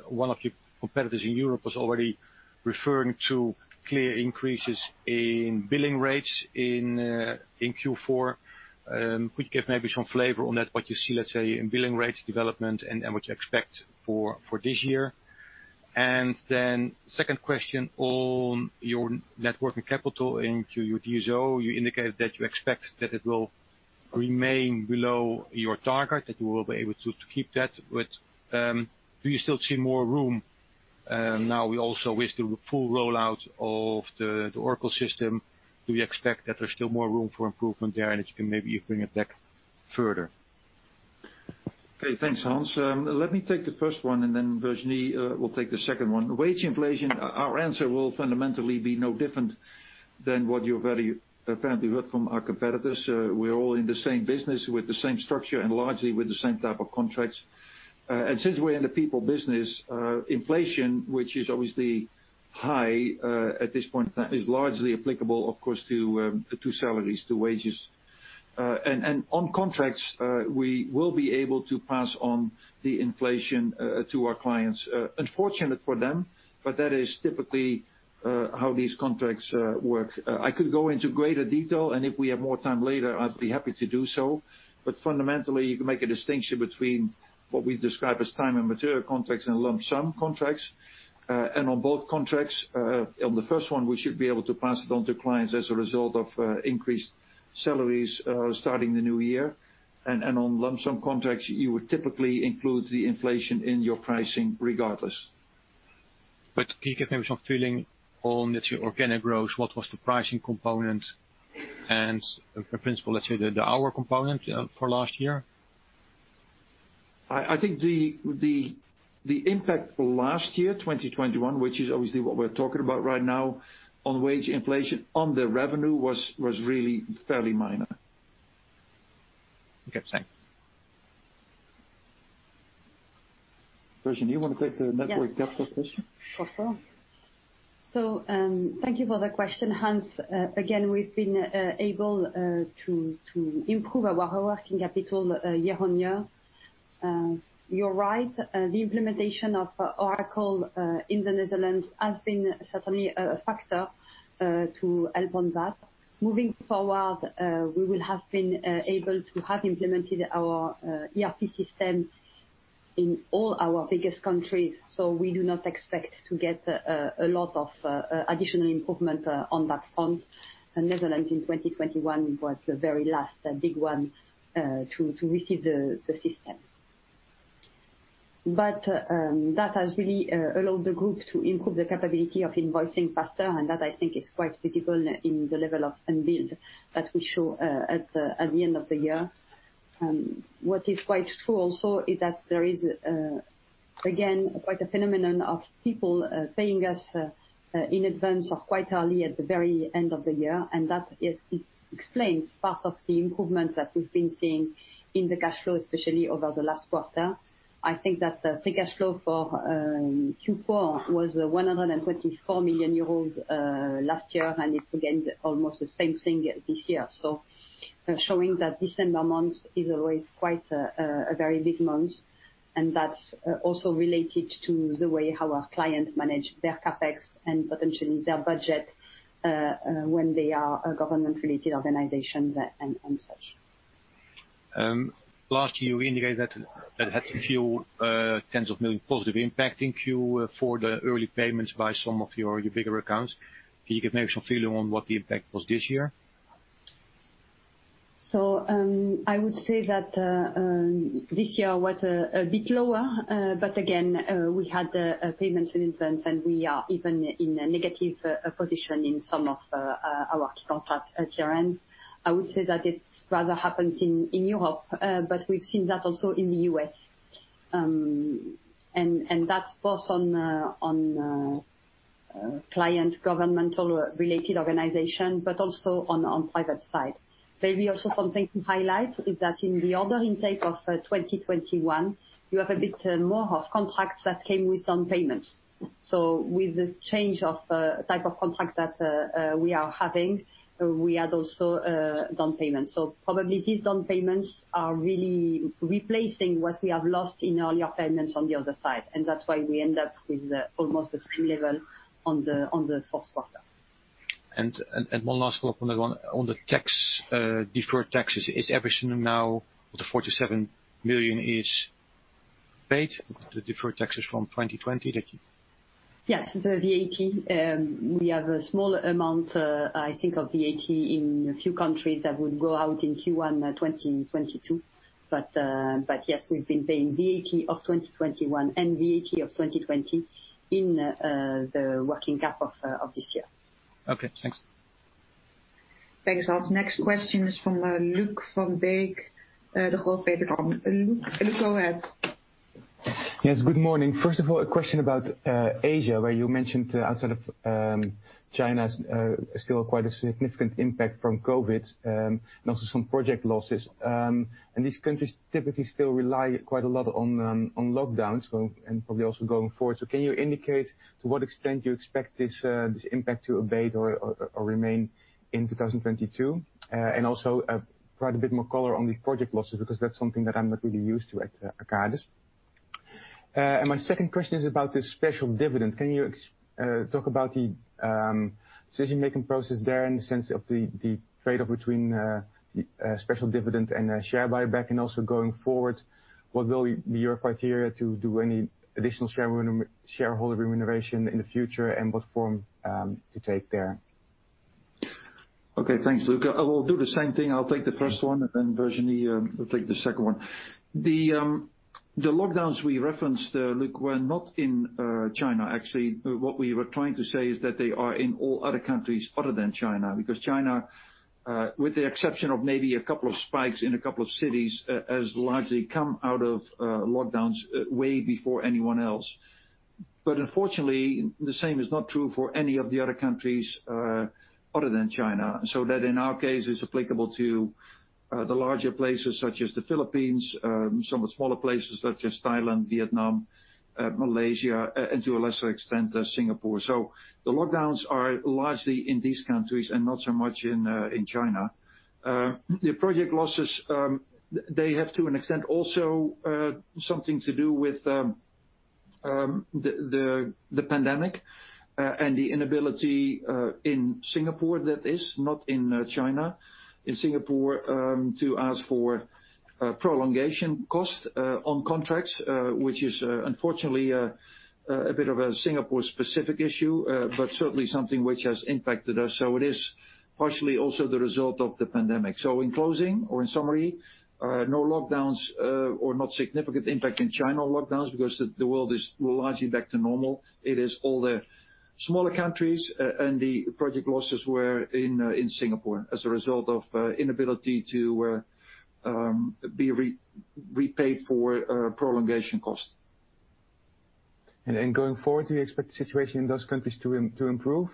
One of your competitors in Europe was already referring to clear increases in billing rates in Q4. Could you give maybe some flavor on that, what you see, let's say, in billing rate development and what you expect for this year? Second question on your net working capital. In Q4, you indicated that you expect that it will remain below your target, that you will be able to keep that. Do you still see more room now with also the full rollout of the Oracle system? Do you expect that there's still more room for improvement there and that you can maybe bring it back further? Okay. Thanks, Hans. Let me take the first one and then Virginie will take the second one. Wage inflation, our answer will fundamentally be no different than what you very apparently heard from our competitors. We're all in the same business with the same structure and largely with the same type of contracts. And since we're in the people business, inflation, which is obviously high, at this point in time is largely applicable, of course, to salaries, to wages. And on contracts, we will be able to pass on the inflation to our clients. Unfortunate for them, but that is typically how these contracts work. I could go into greater detail, and if we have more time later, I'd be happy to do so. Fundamentally, you can make a distinction between what we describe as time and material contracts and lump sum contracts. On both contracts, on the first one, we should be able to pass it on to clients as a result of increased salaries starting the new year. On lump sum contracts, you would typically include the inflation in your pricing regardless. Can you give me some feeling on its organic growth? What was the pricing component and the principal, let's say, the hour component, for last year? I think the impact last year, 2021, which is obviously what we're talking about right now of wage inflation on the revenue was really fairly minor. Okay, thank you. Virginie, you want to take the net working capital question? Yes. Of course. Thank you for the question, Hans. Again, we've been able to improve our working capital year-on-year. You're right. The implementation of Oracle in the Netherlands has been certainly a factor to help on that. Moving forward, we will have been able to have implemented our ERP system in all our biggest countries, so we do not expect to get a lot of additional improvement on that front. Netherlands in 2021 was the very last big one to receive the system. That has really allowed the group to improve the capability of invoicing faster, and that I think is quite critical in the level of unbilled that we show at the end of the year. What is quite true also is that there is again quite a phenomenon of people paying us in advance or quite early at the very end of the year, and that is it explains part of the improvements that we've been seeing in the cash flow, especially over the last quarter. I think that the free cash flow for Q4 was 124 million euros last year, and it's again almost the same thing this year. Showing that December month is always quite a very big month, and that's also related to the way how our clients manage their CapEx and potentially their budget when they are a government-related organization and such. Last year, you indicated that it had a few tens of million positive impact in Q4, the early payments by some of your bigger accounts. Can you give me some feeling on what the impact was this year? I would say that this year was a bit lower, but again, we had payments in advance, and we are even in a negative position in some of our key contracts at year-end. I would say that it rather happens in Europe, but we've seen that also in the U.S. And that's both on client governmental-related organization, but also on private side. Maybe also something to highlight is that in the order intake of 2021, you have a bit more of contracts that came with down payments. With this change of type of contract that we are having, we had also down payments. Probably these down payments are really replacing what we have lost in earlier payments on the other side, and that's why we end up with almost the same level on the first quarter. One last follow-up on the tax deferred taxes. Is everything now the 47 million is paid, the deferred taxes from 2020 that you- Yes, the VAT. We have a small amount, I think of VAT in a few countries that would go out in Q1 2022. Yes, we've been paying VAT of 2021 and VAT of 2020 in the working capital of this year. Okay, thanks. Thanks, Hans. Next question is from Luuk van Beek, Degroof Petercam. Luuk, go ahead. Yes, good morning. First of all, a question about Asia, where you mentioned outside of China, still quite a significant impact from COVID, and also some project losses. These countries typically still rely quite a lot on lockdowns and probably also going forward. Can you indicate to what extent you expect this impact to abate or remain in 2022? Also, provide a bit more color on the project losses, because that's something that I'm not really used to at Arcadis. My second question is about the special dividend. Can you talk about the decision-making process there in the sense of the trade-off between special dividend and a share buyback? Going forward, what will be your criteria to do any additional shareholder remuneration in the future and what form to take there? Okay. Thanks, Luuk. I will do the same thing. I'll take the first one, and then Virginie will take the second one. The lockdowns we referenced, Luuk, were not in China. Actually, what we were trying to say is that they are in all other countries other than China, because China, with the exception of maybe a couple of spikes in a couple of cities, has largely come out of lockdowns way before anyone else. Unfortunately, the same is not true for any of the other countries other than China. That in our case is applicable to the larger places such as the Philippines, some of the smaller places such as Thailand, Vietnam, and to a lesser extent, Singapore. The lockdowns are largely in these countries and not so much in China. The project losses, they have to an extent also something to do with the pandemic and the inability in Singapore, that is, not in China. In Singapore, to ask for prolongation cost on contracts, which is unfortunately a bit of a Singapore-specific issue, but certainly something which has impacted us, so it is partially also the result of the pandemic. In closing or in summary, no lockdowns or not significant impact in China lockdowns because the world is largely back to normal. It is all the smaller countries and the project losses were in Singapore as a result of inability to be repaid for prolongation cost. Going forward, do you expect the situation in those countries to improve?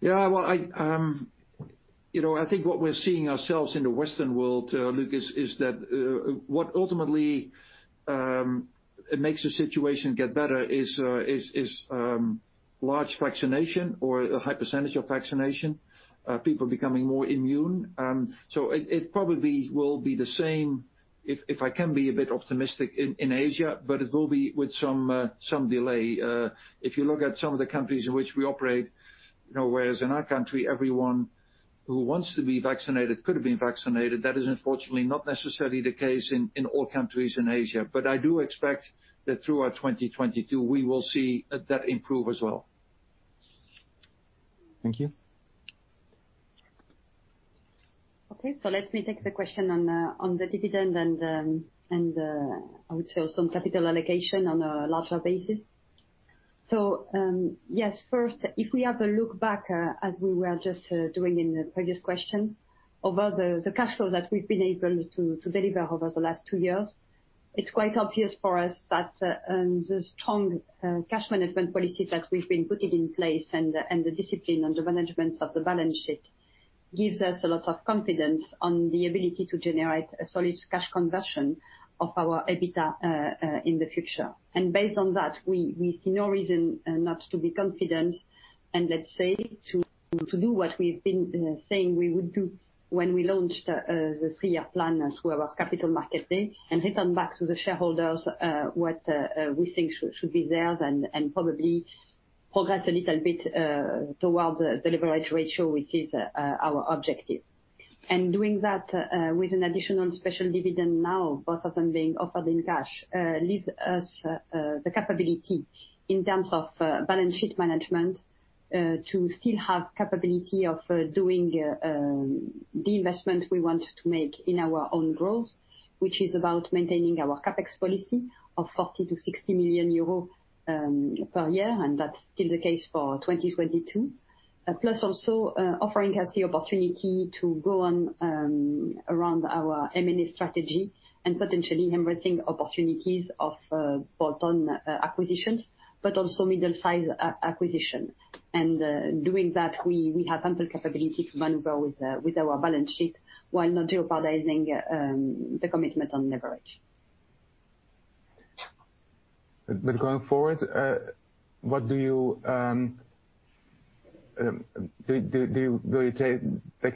Yeah. Well, you know, I think what we're seeing ourselves in the Western world, Lucas, is that what ultimately makes the situation get better is large vaccination or a high percentage of vaccination people becoming more immune. So it probably will be the same if I can be a bit optimistic in Asia, but it will be with some delay. If you look at some of the countries in which we operate, you know, whereas in our country everyone who wants to be vaccinated could have been vaccinated. That is unfortunately not necessarily the case in all countries in Asia. I do expect that throughout 2022 we will see that improve as well. Thank you. Okay. Let me take the question on the dividend and also some capital allocation on a larger basis. Yes, first if we have a look back, as we were just doing in the previous question, over the cash flow that we've been able to deliver over the last two years, it's quite obvious for us that the strong cash management policies that we've been putting in place and the discipline and the management of the balance sheet gives us a lot of confidence on the ability to generate a solid cash conversion of our EBITDA in the future. Based on that, we see no reason not to be confident and let's say to do what we've been saying we would do when we launched the three-year plan as per our capital market day, and return back to the shareholders what we think should be theirs and probably progress a little bit towards the leverage ratio, which is our objective. Doing that with an additional special dividend now, both of them being offered in cash leaves us the capability in terms of balance sheet management to still have capability of doing the investment we want to make in our own growth. Which is about maintaining our CapEx policy of 40 million-60 million euro per year, and that's still the case for 2022. Plus also offering us the opportunity to go on around our M&A strategy and potentially embracing opportunities of bolt-on acquisitions but also middle-size acquisition. Doing that, we have ample capability to maneuver with our balance sheet while not jeopardizing the commitment on leverage. Going forward, do you take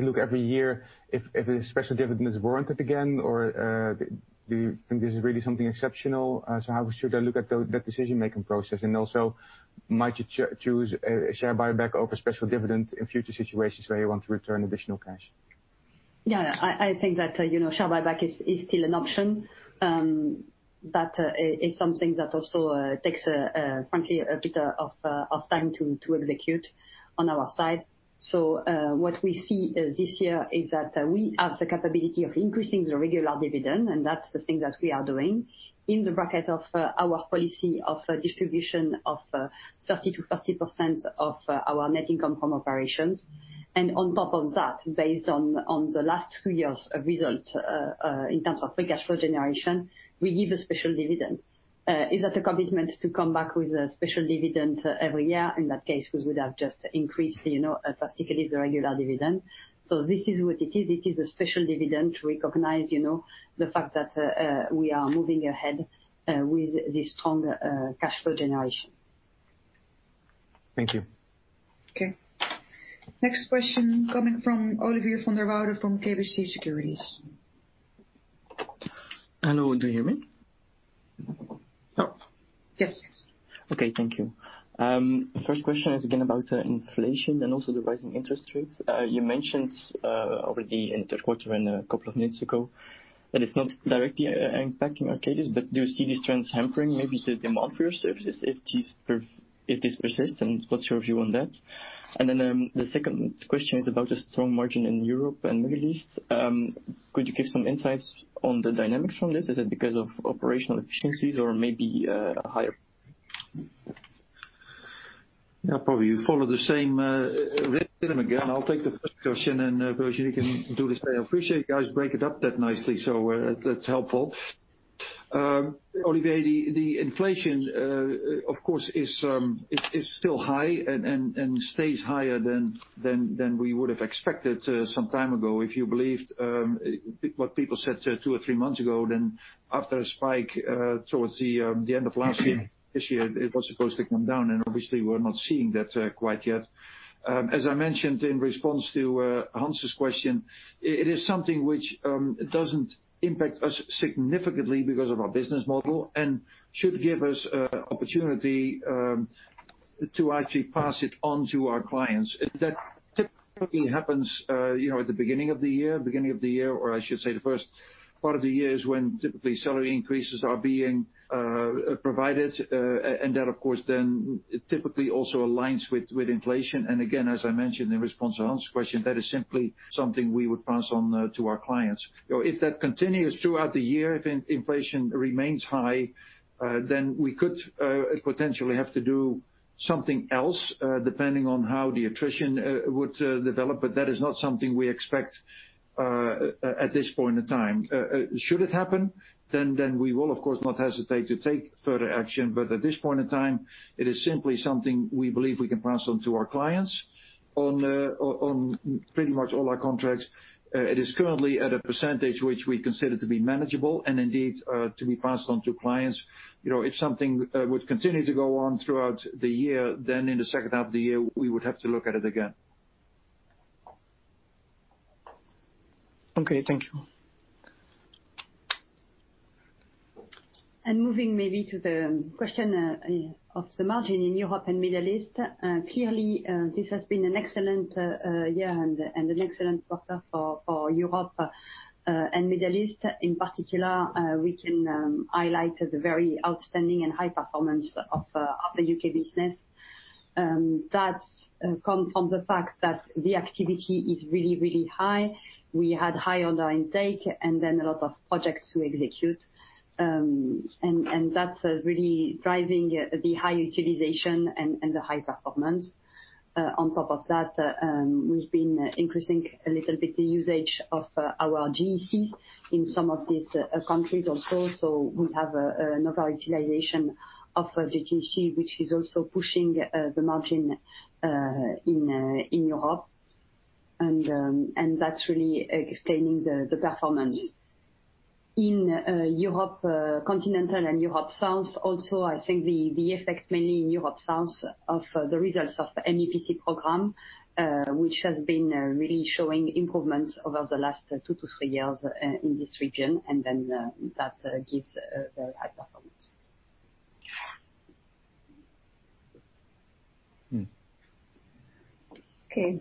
a look every year if a special dividend is warranted again? Or, do you think this is really something exceptional? So how should I look at the decision-making process? Also might you choose a share buyback over special dividend in future situations where you want to return additional cash? Yeah. I think that, you know, share buyback is still an option. It's something that also takes frankly a bit of time to execute on our side. What we see this year is that we have the capability of increasing the regular dividend, and that's the thing that we are doing in the bracket of our policy of distribution of 30%-40% of our net income from operations. On top of that, based on the last two years of results in terms of the cash flow generation, we give a special dividend. Is that a commitment to come back with a special dividend every year? In that case, we would have just increased, you know, drastically the regular dividend. This is what it is. It is a special dividend to recognize, you know, the fact that we are moving ahead with the stronger cash flow generation. Thank you. Okay. Next question coming from Kristof Samoy from KBC Securities. Hello. Do you hear me? Yes. Okay. Thank you. First question is again about inflation and also the rising interest rates. You mentioned already in the quarter and a couple of minutes ago that it's not directly impacting Arcadis, but do you see these trends hampering maybe the demand for your services if this persists, and what's your view on that? The second question is about the strong margin in Europe and Middle East. Could you give some insights on the dynamics from this? Is it because of operational efficiencies or maybe higher- Yeah, probably you follow the same rhythm again. I'll take the first question, and Virginie can do the same. I appreciate you guys break it up that nicely, so that's helpful. Kristof, the inflation of course is still high and stays higher than we would have expected some time ago. If you believed what people said two or three months ago, then after a spike towards the end of last year- Yeah... this year, it was supposed to come down, and obviously we're not seeing that quite yet. As I mentioned in response to Hans' question, it is something which doesn't impact us significantly because of our business model and should give us opportunity to actually pass it on to our clients. That typically happens, you know, at the beginning of the year. Beginning of the year, or I should say, the first part of the year is when typically salary increases are being provided. That of course then typically also aligns with inflation. Again, as I mentioned in response to Hans' question, that is simply something we would pass on to our clients. You know, if that continues throughout the year, if inflation remains high, then we could potentially have to do something else, depending on how the attrition would develop. That is not something we expect at this point in time. Should it happen, then we will of course not hesitate to take further action. At this point in time, it is simply something we believe we can pass on to our clients on pretty much all our contracts. It is currently at a percentage which we consider to be manageable and indeed to be passed on to clients. You know, if something would continue to go on throughout the year, then in the second half of the year, we would have to look at it again. Okay, thank you. Moving maybe to the question of the margin in Europe and Middle East, clearly, this has been an excellent quarter for Europe and Middle East. In particular, we can highlight the very outstanding and high performance of the U.K. business. That's come from the fact that the activity is really high. We had high order intake and then a lot of projects to execute. And that's really driving the high utilization and the high performance. On top of that, we've been increasing a little bit the usage of our GECs in some of these countries also. So we have another utilization of GECs, which is also pushing the margin in Europe. That's really explaining the performance. In continental Europe and Europe South also, I think the effect mainly in Europe South of the results of MEPC+ program, which has been really showing improvements over the last two to three years in this region. That gives the high performance. Mm. Okay.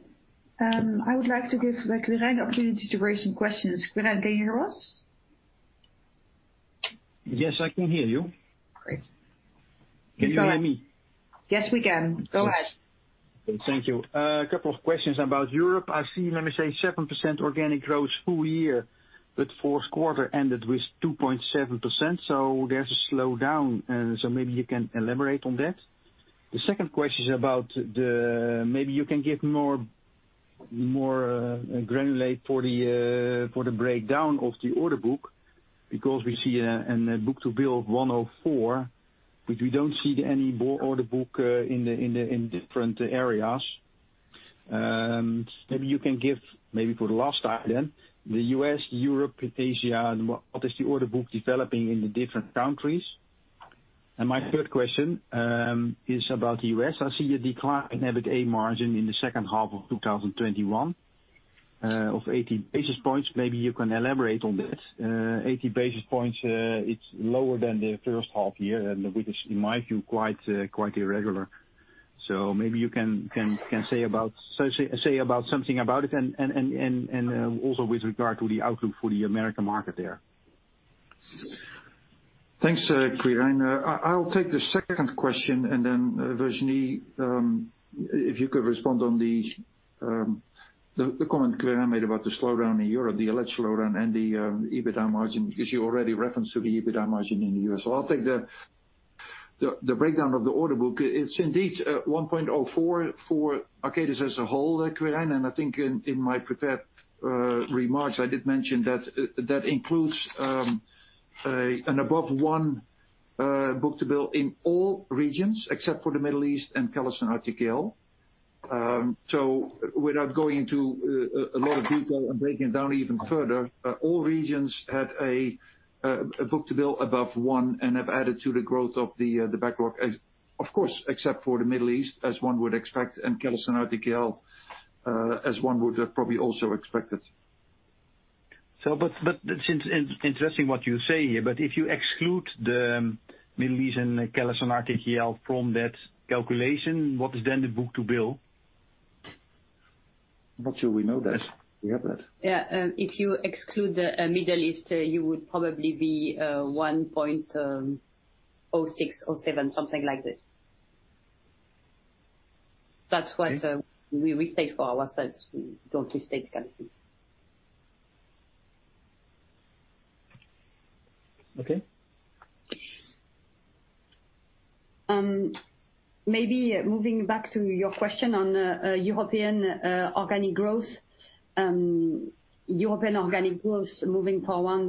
I would like to give Quirijn opportunity to raise some questions. Quirijn, can you hear us? Yes, I can hear you. Great. Can you hear me? Yes, we can. Go ahead. Thank you. A couple of questions about Europe. I see, let me say, 7% organic growth full year, but fourth quarter ended with 2.7%, so there's a slowdown. So maybe you can elaborate on that. The second question is about the—maybe you can give more granular for the breakdown of the order book, because we see in the book-to-bill 1.04, but we don't see any more order book in different areas. Maybe you can give, maybe for the last item, the U.S., Europe and Asia, and what is the order book developing in the different countries. My third question is about the U.S. I see a decline in EBITDA margin in the second half of 2021 of 80 basis points. Maybe you can elaborate on that. 80 basis points, it's lower than the first half year, and which is, in my view, quite irregular. Maybe you can say something about it and also with regard to the outlook for the American market there. Thanks, Quirijn. I'll take the second question, and then, Virginie, if you could respond on the comment Quirijn made about the slowdown in Europe, the alleged slowdown and the EBITDA margin, because you already referred to the EBITDA margin in the US. I'll take the breakdown of the order book. It's indeed 1.04 for Arcadis as a whole, Quirijn. I think in my prepared remarks, I did mention that that includes an above one book-to-bill in all regions except for the Middle East and CallisonRTKL. Without going into a lot of detail and breaking it down even further, all regions had a book-to-bill above one and have added to the growth of the backlog, of course, except for the Middle East, as one would expect, and CallisonRTKL, as one would have probably also expected. It's interesting what you say here. If you exclude the Middle East and CallisonRTKL from that calculation, what is then the book-to-bill? Not sure we know that. We have that. If you exclude the Middle East, you would probably be 1.06, 1.07, something like this. That's what we state for ourselves. We don't restate Callison. Okay. Maybe moving back to your question on European organic growth. European organic growth moving forward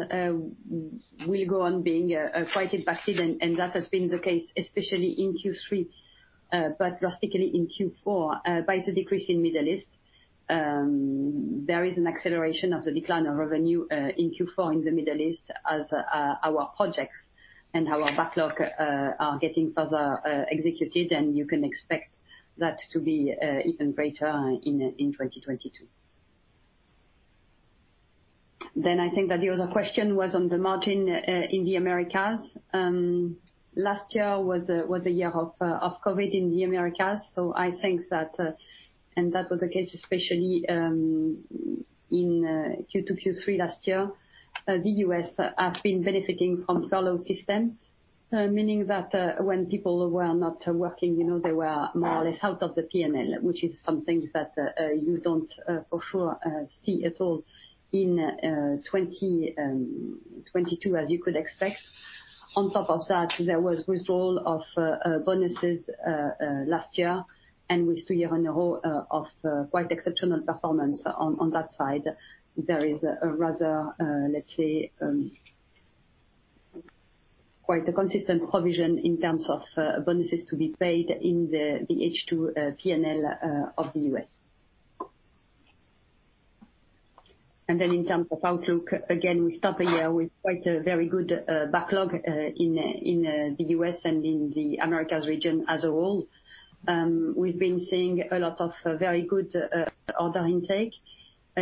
will go on being quite impacted, and that has been the case especially in Q3, but drastically in Q4, by the decrease in Middle East. There is an acceleration of the decline of revenue in Q4 in the Middle East as our projects and our backlog are getting further executed, and you can expect that to be even greater in 2022. I think that the other question was on the margin in the Americas. Last year was a year of COVID in the Americas, so I think that and that was the case especially in Q2, Q3 last year. The U.S. have been benefiting from furlough system, meaning that, when people were not working, you know, they were more or less out of the P&L, which is something that you don't, for sure, see at all in 2022, as you could expect. On top of that, there was withdrawal of bonuses last year, and with three years in a row of quite exceptional performance on that side. There is a rather, let's say, quite a consistent provision in terms of bonuses to be paid in the H2 P&L of the U.S. Then in terms of outlook, again, we start the year with quite a very good backlog in the U.S. and in the Americas region as a whole. We've been seeing a lot of very good order intake.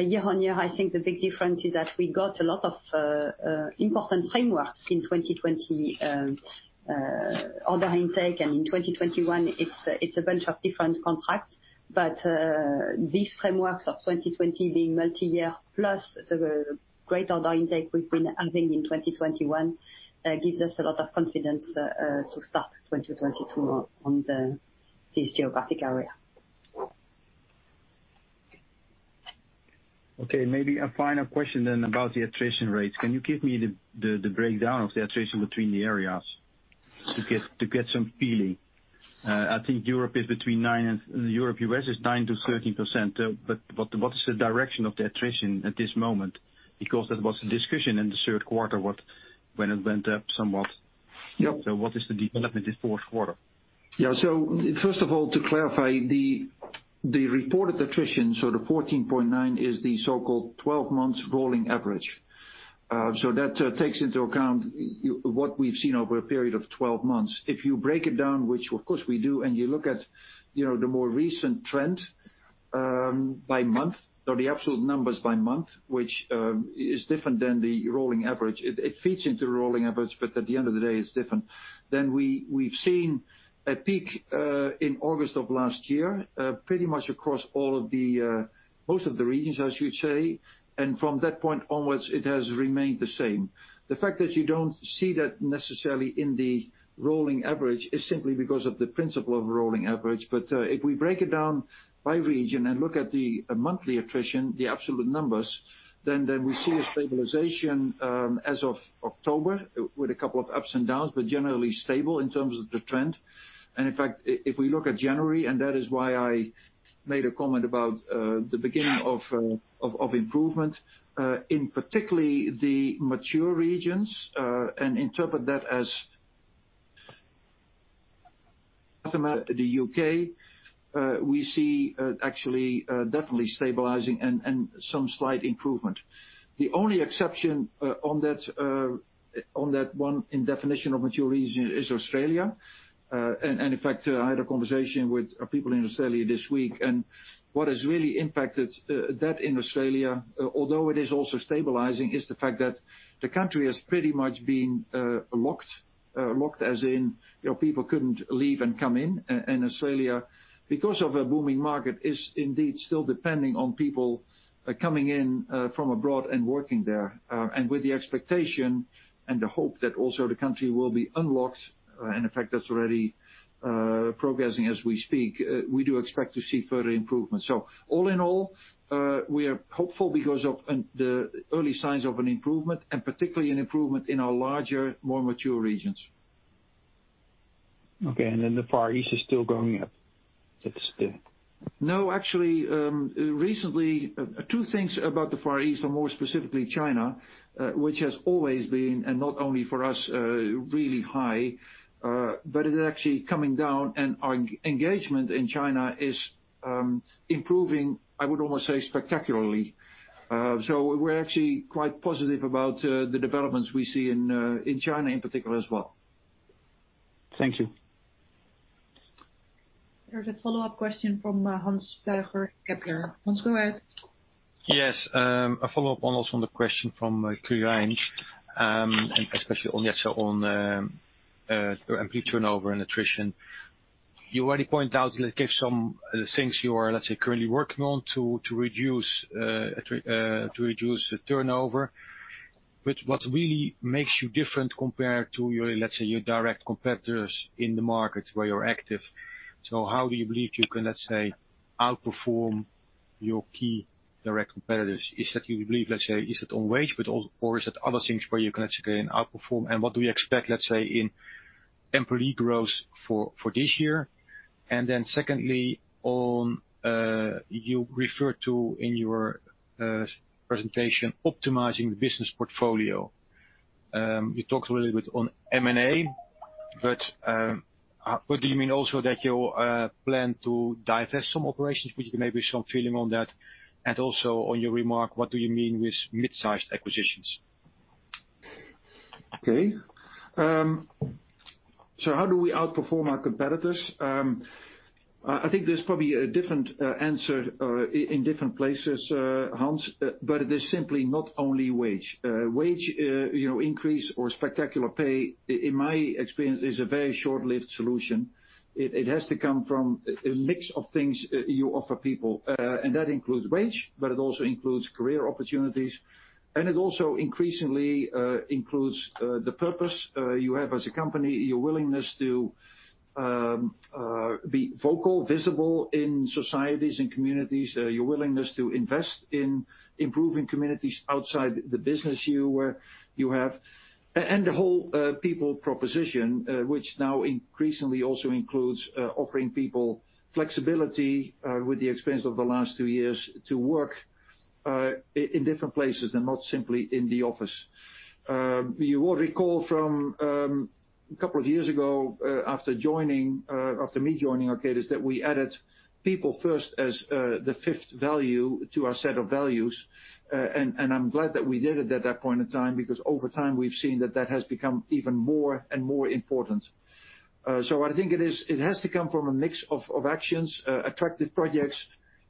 Year-on-year, I think the big difference is that we got a lot of important frameworks in 2020 order intake, and in 2021 it's a bunch of different contracts. These frameworks of 2020 being multi-year plus the great order intake we've been having in 2021 gives us a lot of confidence to start 2022 on this geographic area. Okay, maybe a final question then about the attrition rates. Can you give me the breakdown of the attrition between the areas to get some feeling? I think Europe/U.S. is 9%-13%. What is the direction of the attrition at this moment? Because that was a discussion in the third quarter, when it went up somewhat. Yep. What is the development this fourth quarter? First of all, to clarify, the reported attrition, so the 14.9% is the so-called 12 months rolling average. That takes into account what we've seen over a period of 12 months. If you break it down, which of course we do, and you look at, you know, the more recent trend, by month, or the absolute numbers by month, which is different than the rolling average. It feeds into the rolling average, but at the end of the day, it's different. We've seen a peak in August of last year, pretty much across all of the most of the regions, I should say. From that point onwards, it has remained the same. The fact that you don't see that necessarily in the rolling average is simply because of the principle of rolling average. If we break it down by region and look at the monthly attrition, the absolute numbers, then we see a stabilization as of October with a couple of ups and downs, but generally stable in terms of the trend. In fact, if we look at January, that is why I made a comment about the beginning of improvement in particular the mature regions, and interpret that as the U.K., we see actually definitely stabilizing and some slight improvement. The only exception on that one in definition of mature region is Australia. In fact, I had a conversation with people in Australia this week, and what has really impacted that in Australia, although it is also stabilizing, is the fact that the country has pretty much been locked, as in, you know, people couldn't leave and come in, and Australia, because of a booming market, is indeed still depending on people coming in from abroad and working there. With the expectation and the hope that also the country will be unlocked, and in fact that's already progressing as we speak, we do expect to see further improvement. All in all, we are hopeful because of the early signs of an improvement, and particularly an improvement in our larger, more mature regions. Okay, the Far East is still going up? No, actually, recently, two things about the Far East and more specifically China, which has always been, and not only for us, really high, but it is actually coming down and our engagement in China is improving, I would almost say spectacularly. We're actually quite positive about the developments we see in China in particular as well. Thank you. There's a follow-up question from Hans Pluijgers, Kepler. Hans, go ahead. Yes. A follow-up almost on the question from Quirijn Mulder, and especially on employee turnover and attrition. You already point out, let's say, some things you are, let's say, currently working on to reduce the turnover. What really makes you different compared to your, let's say, direct competitors in the markets where you're active? How do you believe you can, let's say, outperform your key direct competitors? Is that you believe, let's say, is it on wage, but also or is it other things where you can actually gain outperform? What do we expect, let's say, in employee growth for this year? Secondly, on you referred to in your presentation, optimizing the business portfolio. You talked a little bit on M&A, but what do you mean also that you plan to divest some operations, which may be some feeling on that and also on your remark, what do you mean with mid-sized acquisitions? Okay. How do we outperform our competitors? I think there's probably a different answer or in different places, Hans, but it is simply not only wage. Wage, you know, increase or spectacular pay in my experience is a very short-lived solution. It has to come from a mix of things you offer people, and that includes wage, but it also includes career opportunities, and it also increasingly includes the purpose you have as a company, your willingness to be vocal, visible in societies and communities, your willingness to invest in improving communities outside the business you have. The whole people proposition, which now increasingly also includes offering people flexibility with the experience of the last two years to work in different places and not simply in the office. You will recall from a couple of years ago, after me joining Arcadis, that we added People first as the fifth value to our set of values. I'm glad that we did it at that point in time, because over time, we've seen that that has become even more and more important. I think it has to come from a mix of actions, attractive projects,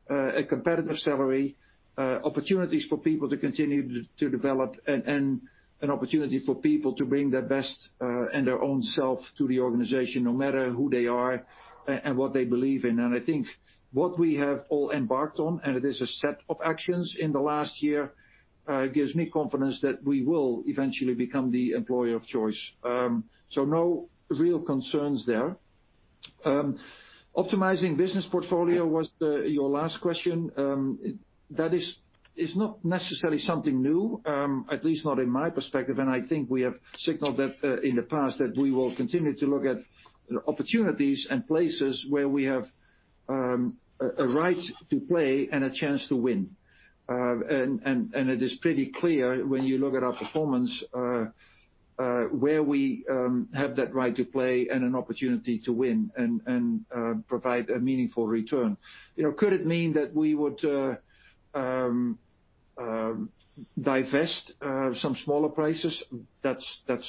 a competitive salary, opportunities for people to continue to develop and an opportunity for people to bring their best and their own self to the organization no matter who they are and what they believe in. I think what we have all embarked on, and it is a set of actions in the last year, gives me confidence that we will eventually become the employer of choice. No real concerns there. Optimizing business portfolio was your last question. That is not necessarily something new, at least not in my perspective. I think we have signaled that, in the past, that we will continue to look at opportunities and places where we have a right to play and a chance to win. It is pretty clear when you look at our performance, where we have that right to play and an opportunity to win and provide a meaningful return. You know, could it mean that we would divest some smaller places? That's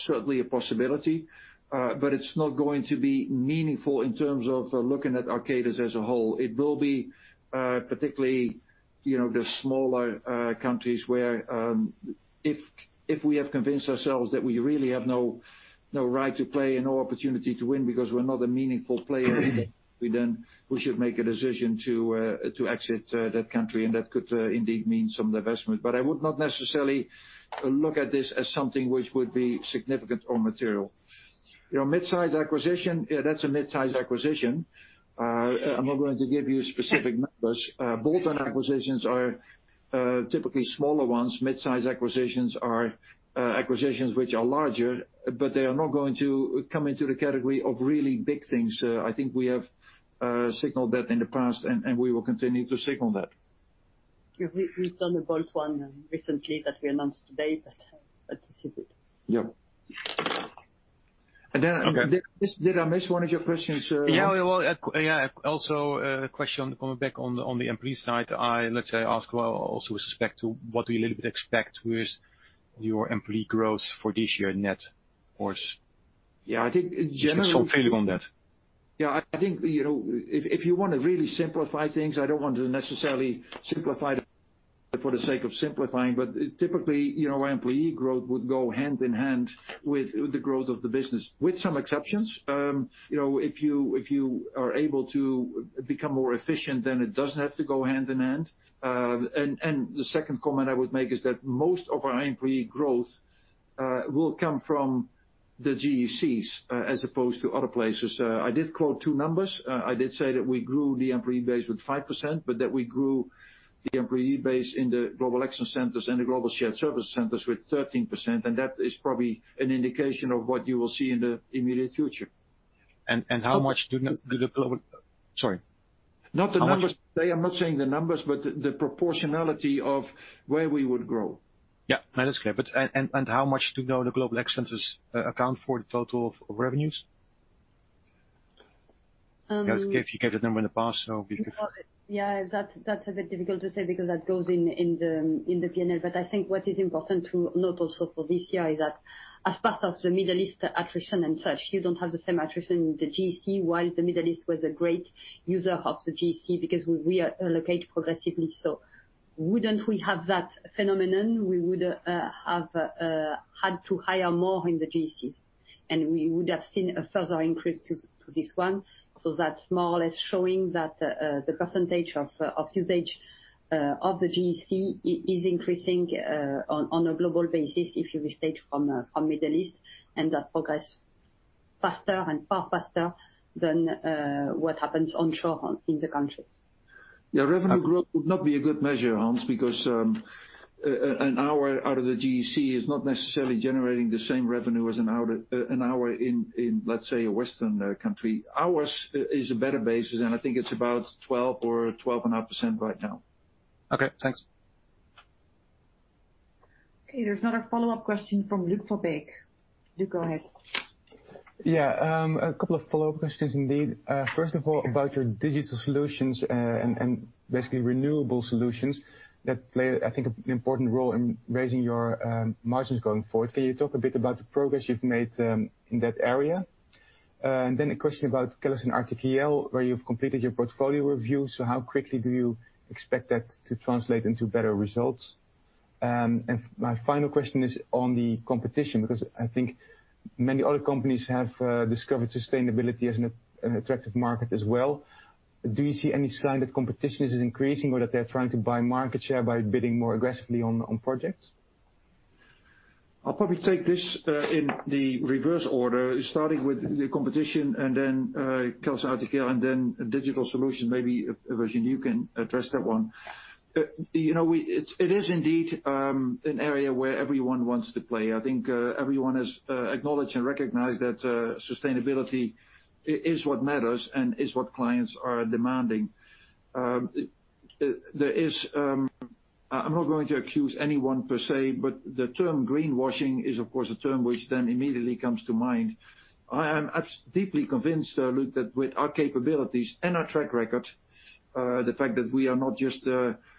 certainly a possibility, but it's not going to be meaningful in terms of looking at Arcadis as a whole. It will be particularly, you know, the smaller countries where, if we have convinced ourselves that we really have no right to play and no opportunity to win because we're not a meaningful player, we should make a decision to exit that country. That could indeed mean some divestment. I would not necessarily look at this as something which would be significant or material. You know, mid-size acquisition, that's a mid-size acquisition. I'm not going to give you specific numbers. Bolt-on acquisitions are typically smaller ones. Mid-size acquisitions are acquisitions which are larger, but they are not going to come into the category of really big things. I think we have signaled that in the past and we will continue to signal that. We've done a bolt-on recently that we announced today, but this is it. Yeah. Okay. Did I miss one of your questions, Hans? Yeah. Well, yeah, also a question coming back on the employee side. I, let's say, ask also with respect to what do you little bit expect with your employee growth for this year net or- Yeah. I think generally. Some feeling on that. Yeah. I think, you know, if you want to really simplify things, I don't want to necessarily simplify it for the sake of simplifying, but typically, you know, employee growth would go hand in hand with the growth of the business, with some exceptions. You know, if you are able to become more efficient, then it doesn't have to go hand in hand. The second comment I would make is that most of our employee growth will come from the GECs, as opposed to other places. I did quote two numbers. I did say that we grew the employee base with 5%, but that we grew the employee base in the Global Excellence Centers and the Global Shared Services Centers with 13%. That is probably an indication of what you will see in the immediate future. Sorry. Not the numbers. I am not saying the numbers, but the proportionality of where we would grow. Yeah. No, that's clear. How much do the Global Excellence Centers account for the total of revenues? Um- You gave that number in the past, so if you could. Yeah. That's a bit difficult to say because that goes in the P&L. I think what is important to note also for this year is that as part of the Middle East attrition and such, you don't have the same attrition in the GEC, while the Middle East was a great user of the GEC because we reallocate progressively. Wouldn't we have that phenomenon, we would have had to hire more in the GECs, and we would have seen a further increase to this one. That's more or less showing that the percentage of usage of the GEC is increasing on a global basis, if you restate from Middle East, and that is progressing faster and far faster than what happens onshore in the countries. Yeah. Revenue growth would not be a good measure, Hans, because an hour out of the GEC is not necessarily generating the same revenue as an hour in, let's say, a western country. Ours is a better basis, and I think it's about 12 or 12.5% right now. Okay, thanks. Okay, there's another follow-up question from Luuk van Beek. Luuk van Beek, go ahead. Yeah, a couple of follow-up questions indeed. First of all, about your digital solutions and basically renewable solutions that play, I think, an important role in raising your margins going forward. Can you talk a bit about the progress you've made in that area? A question about CallisonRTKL, where you've completed your portfolio review. How quickly do you expect that to translate into better results? My final question is on the competition, because I think many other companies have discovered sustainability as an attractive market as well. Do you see any sign that competition is increasing or that they're trying to buy market share by bidding more aggressively on projects? I'll probably take this in the reverse order, starting with the competition and then CallisonRTKL, and then digital solution. Maybe Virginie, you can address that one. You know, it is indeed an area where everyone wants to play. I think everyone has acknowledged and recognized that sustainability is what matters and is what clients are demanding. I'm not going to accuse anyone per se, but the term greenwashing is, of course, a term which then immediately comes to mind. I am deeply convinced, Luuk, that with our capabilities and our track record, the fact that we are not just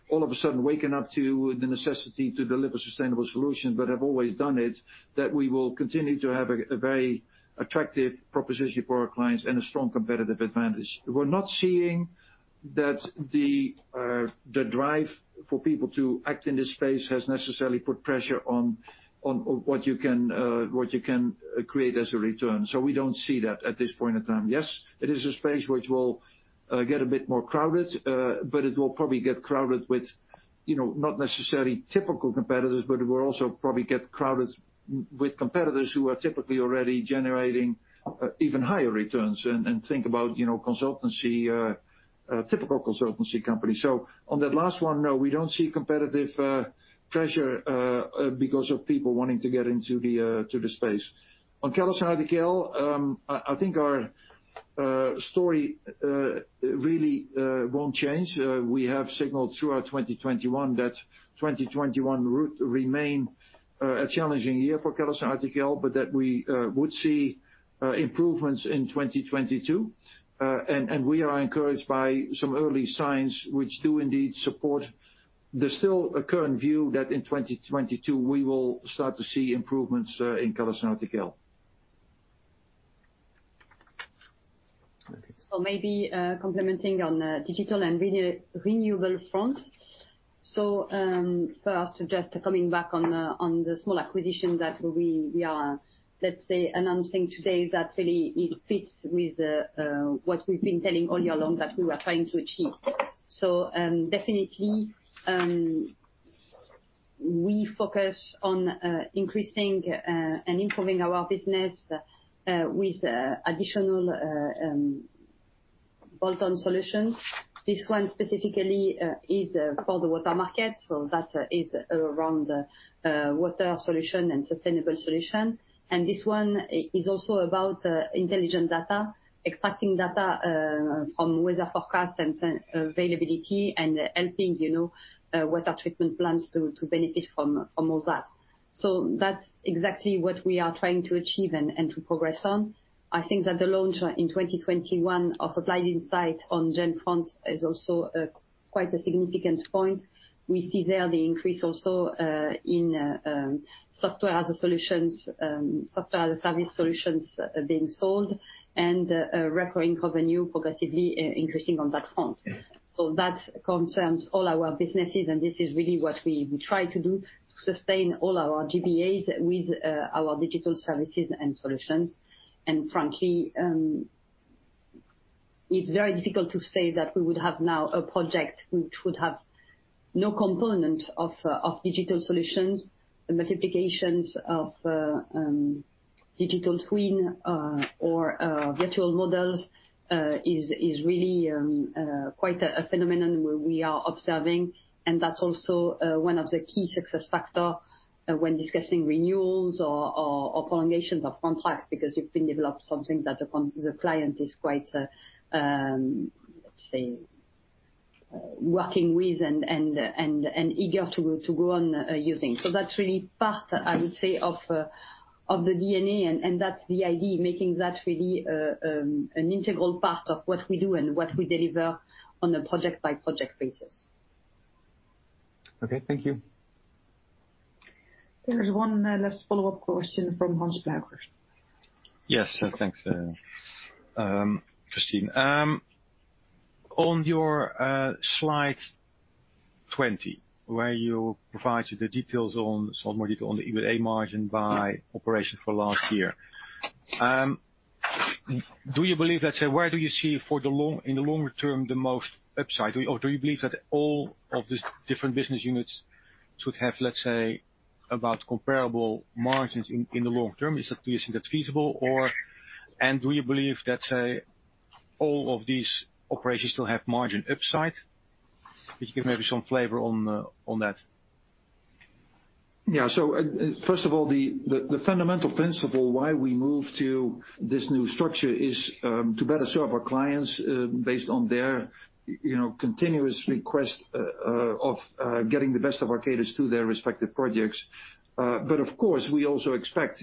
all of a sudden waking up to the necessity to deliver sustainable solutions, but have always done it, that we will continue to have a very attractive proposition for our clients and a strong competitive advantage. We're not seeing that the drive for people to act in this space has necessarily put pressure on what you can create as a return. We don't see that at this point in time. Yes, it is a space which will get a bit more crowded, but it will probably get crowded with, you know, not necessarily typical competitors, but it will also probably get crowded with competitors who are typically already generating even higher returns and think about, you know, consultancy typical consultancy companies. So on that last one, no, we don't see competitive pressure because of people wanting to get into the space. On CallisonRTKL, I think our story really won't change. We have signaled throughout 2021 that 2021 would remain a challenging year for CallisonRTKL, but that we would see improvements in 2022. We are encouraged by some early signs which do indeed support the still current view that in 2022 we will start to see improvements in CallisonRTKL. Maybe complementing on digital and renewable fronts. First, just coming back on the small acquisition that we are, let's say, announcing today that really it fits with what we've been telling all year long that we were trying to achieve. Definitely, we focus on increasing and improving our business with additional bolt-on solutions. This one specifically is for the water market, so that is around water solution and sustainable solution. This one is also about intelligent data, extracting data from weather forecast and availability and helping, you know, water treatment plants to benefit from all that. That's exactly what we are trying to achieve and to progress on. I think that the launch in 2021 of Applied Intelligence on the Gen front is also quite a significant point. We see there the increase also in software as a service solutions being sold and recurring revenue progressively increasing on that front. That concerns all our businesses, and this is really what we try to do, sustain all our GBAs with our digital services and solutions. Frankly, it's very difficult to say that we would have now a project which would have no component of digital solutions. The multiplications of digital twin or virtual models is really quite a phenomenon where we are observing. That's also one of the key success factor when discussing renewals or prolongations of contract, because we've developed something that the client is quite, let's say, working with and eager to go on using. That's really part, I would say, of the DNA, and that's the idea, making that really an integral part of what we do and what we deliver on a project-by-project basis. Okay. Thank you. There is one last follow-up question from Hans Berkers. Yes. Thanks, Christine. On your slide 20, where you provide the details on some more detail on the EBITDA margin by operation for last year. Do you believe, let's say, where do you see in the longer term the most upside? Or do you believe that all of these different business units should have, let's say, about comparable margins in the long term? Do you think that's feasible or do you believe, let's say, all of these operations will have margin upside? Could you give maybe some flavor on that? Yeah. First of all, the fundamental principle why we moved to this new structure is to better serve our clients based on their, you know, continuous request of getting the best of Arcadis to their respective projects. Of course, we also expect,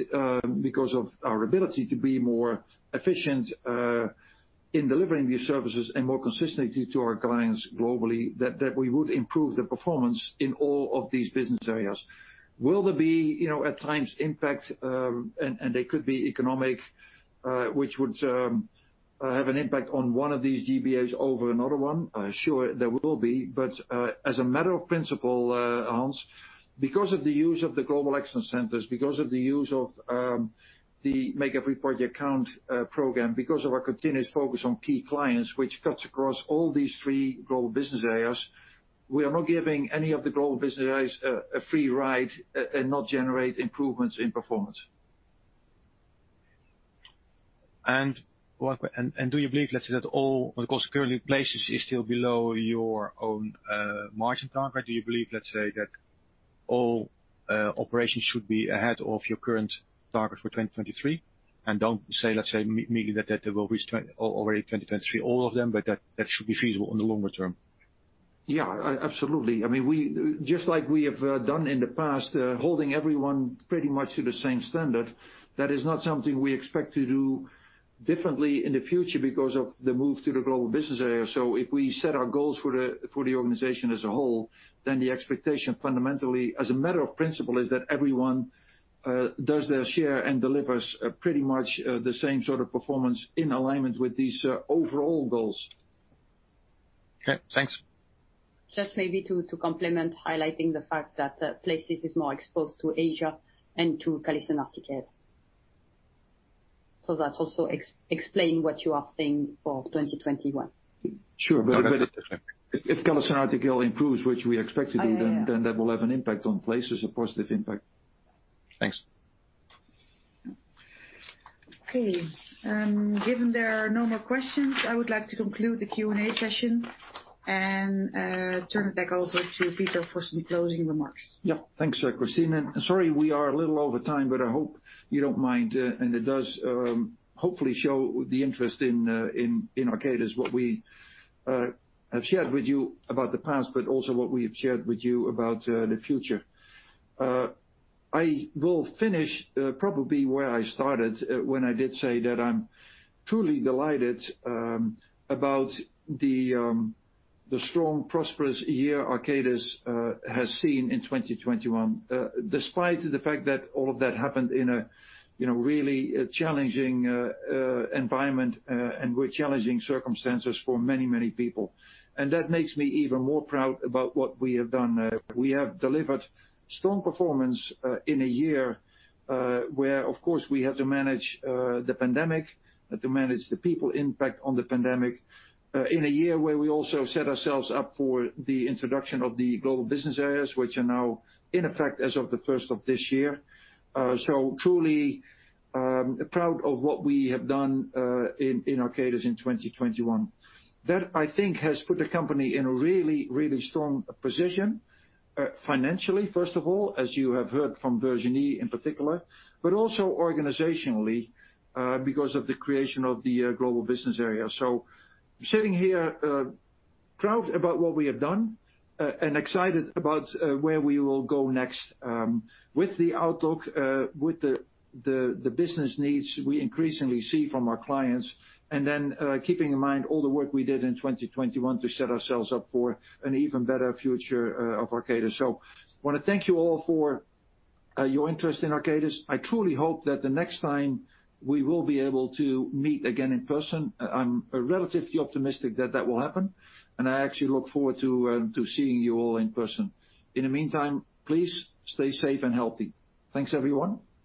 because of our ability to be more efficient in delivering these services and more consistency to our clients globally, that we would improve the performance in all of these business areas. Will there be, you know, at times impacts, and they could be economic, which would have an impact on one of these GBAs over another one? Sure, there will be. As a matter of principle, Hans, because of the use of the Global Excellence Centers, because of the use of the Make Every Project Count program, because of our continuous focus on key clients which cuts across all these three Global Business Areas, we are not giving any of the Global Business Areas a free ride and not generate improvements in performance. Of course, currently Places is still below your own margin target. Do you believe, let's say, that all operations should be ahead of your current target for 2023? Don't say, let's say, maybe that they will reach already 2023, all of them, but that should be feasible in the longer term. Yeah, absolutely. I mean, just like we have done in the past, holding everyone pretty much to the same standard, that is not something we expect to do differently in the future because of the move to the global business area. If we set our goals for the organization as a whole, then the expectation fundamentally, as a matter of principle, is that everyone does their share and delivers pretty much the same sort of performance in alignment with these overall goals. Okay, thanks. Just maybe to complement highlighting the fact that Places is more exposed to Asia and to CallisonRTKL. That also explain what you are seeing for 2021. Sure. If CallisonRTKL improves, which we expect it to do. Yeah, yeah. That will have an impact on Places, a positive impact. Thanks. Okay. Given there are no more questions, I would like to conclude the Q and A session and turn it back over to Peter for some closing remarks. Yeah. Thanks, Christine. Sorry, we are a little over time, but I hope you don't mind. It does hopefully show the interest in Arcadis, what we have shared with you about the past, but also what we have shared with you about the future. I will finish probably where I started when I did say that I'm truly delighted about the strong, prosperous year Arcadis has seen in 2021, despite the fact that all of that happened in a, you know, really challenging environment and with challenging circumstances for many, many people. That makes me even more proud about what we have done. We have delivered strong performance in a year where, of course, we had to manage the pandemic, had to manage the people impact on the pandemic, in a year where we also set ourselves up for the introduction of the Global Business Areas, which are now in effect as of the first of this year. So truly proud of what we have done in Arcadis in 2021. That, I think, has put the company in a really, really strong position financially, first of all, as you have heard from Virginie in particular, but also organizationally because of the creation of the Global Business Area. Sitting here proud about what we have done and excited about where we will go next with the outlook with the business needs we increasingly see from our clients, and then keeping in mind all the work we did in 2021 to set ourselves up for an even better future of Arcadis. Wanna thank you all for your interest in Arcadis. I truly hope that the next time we will be able to meet again in person. I'm relatively optimistic that that will happen, and I actually look forward to seeing you all in person. In the meantime, please stay safe and healthy. Thanks.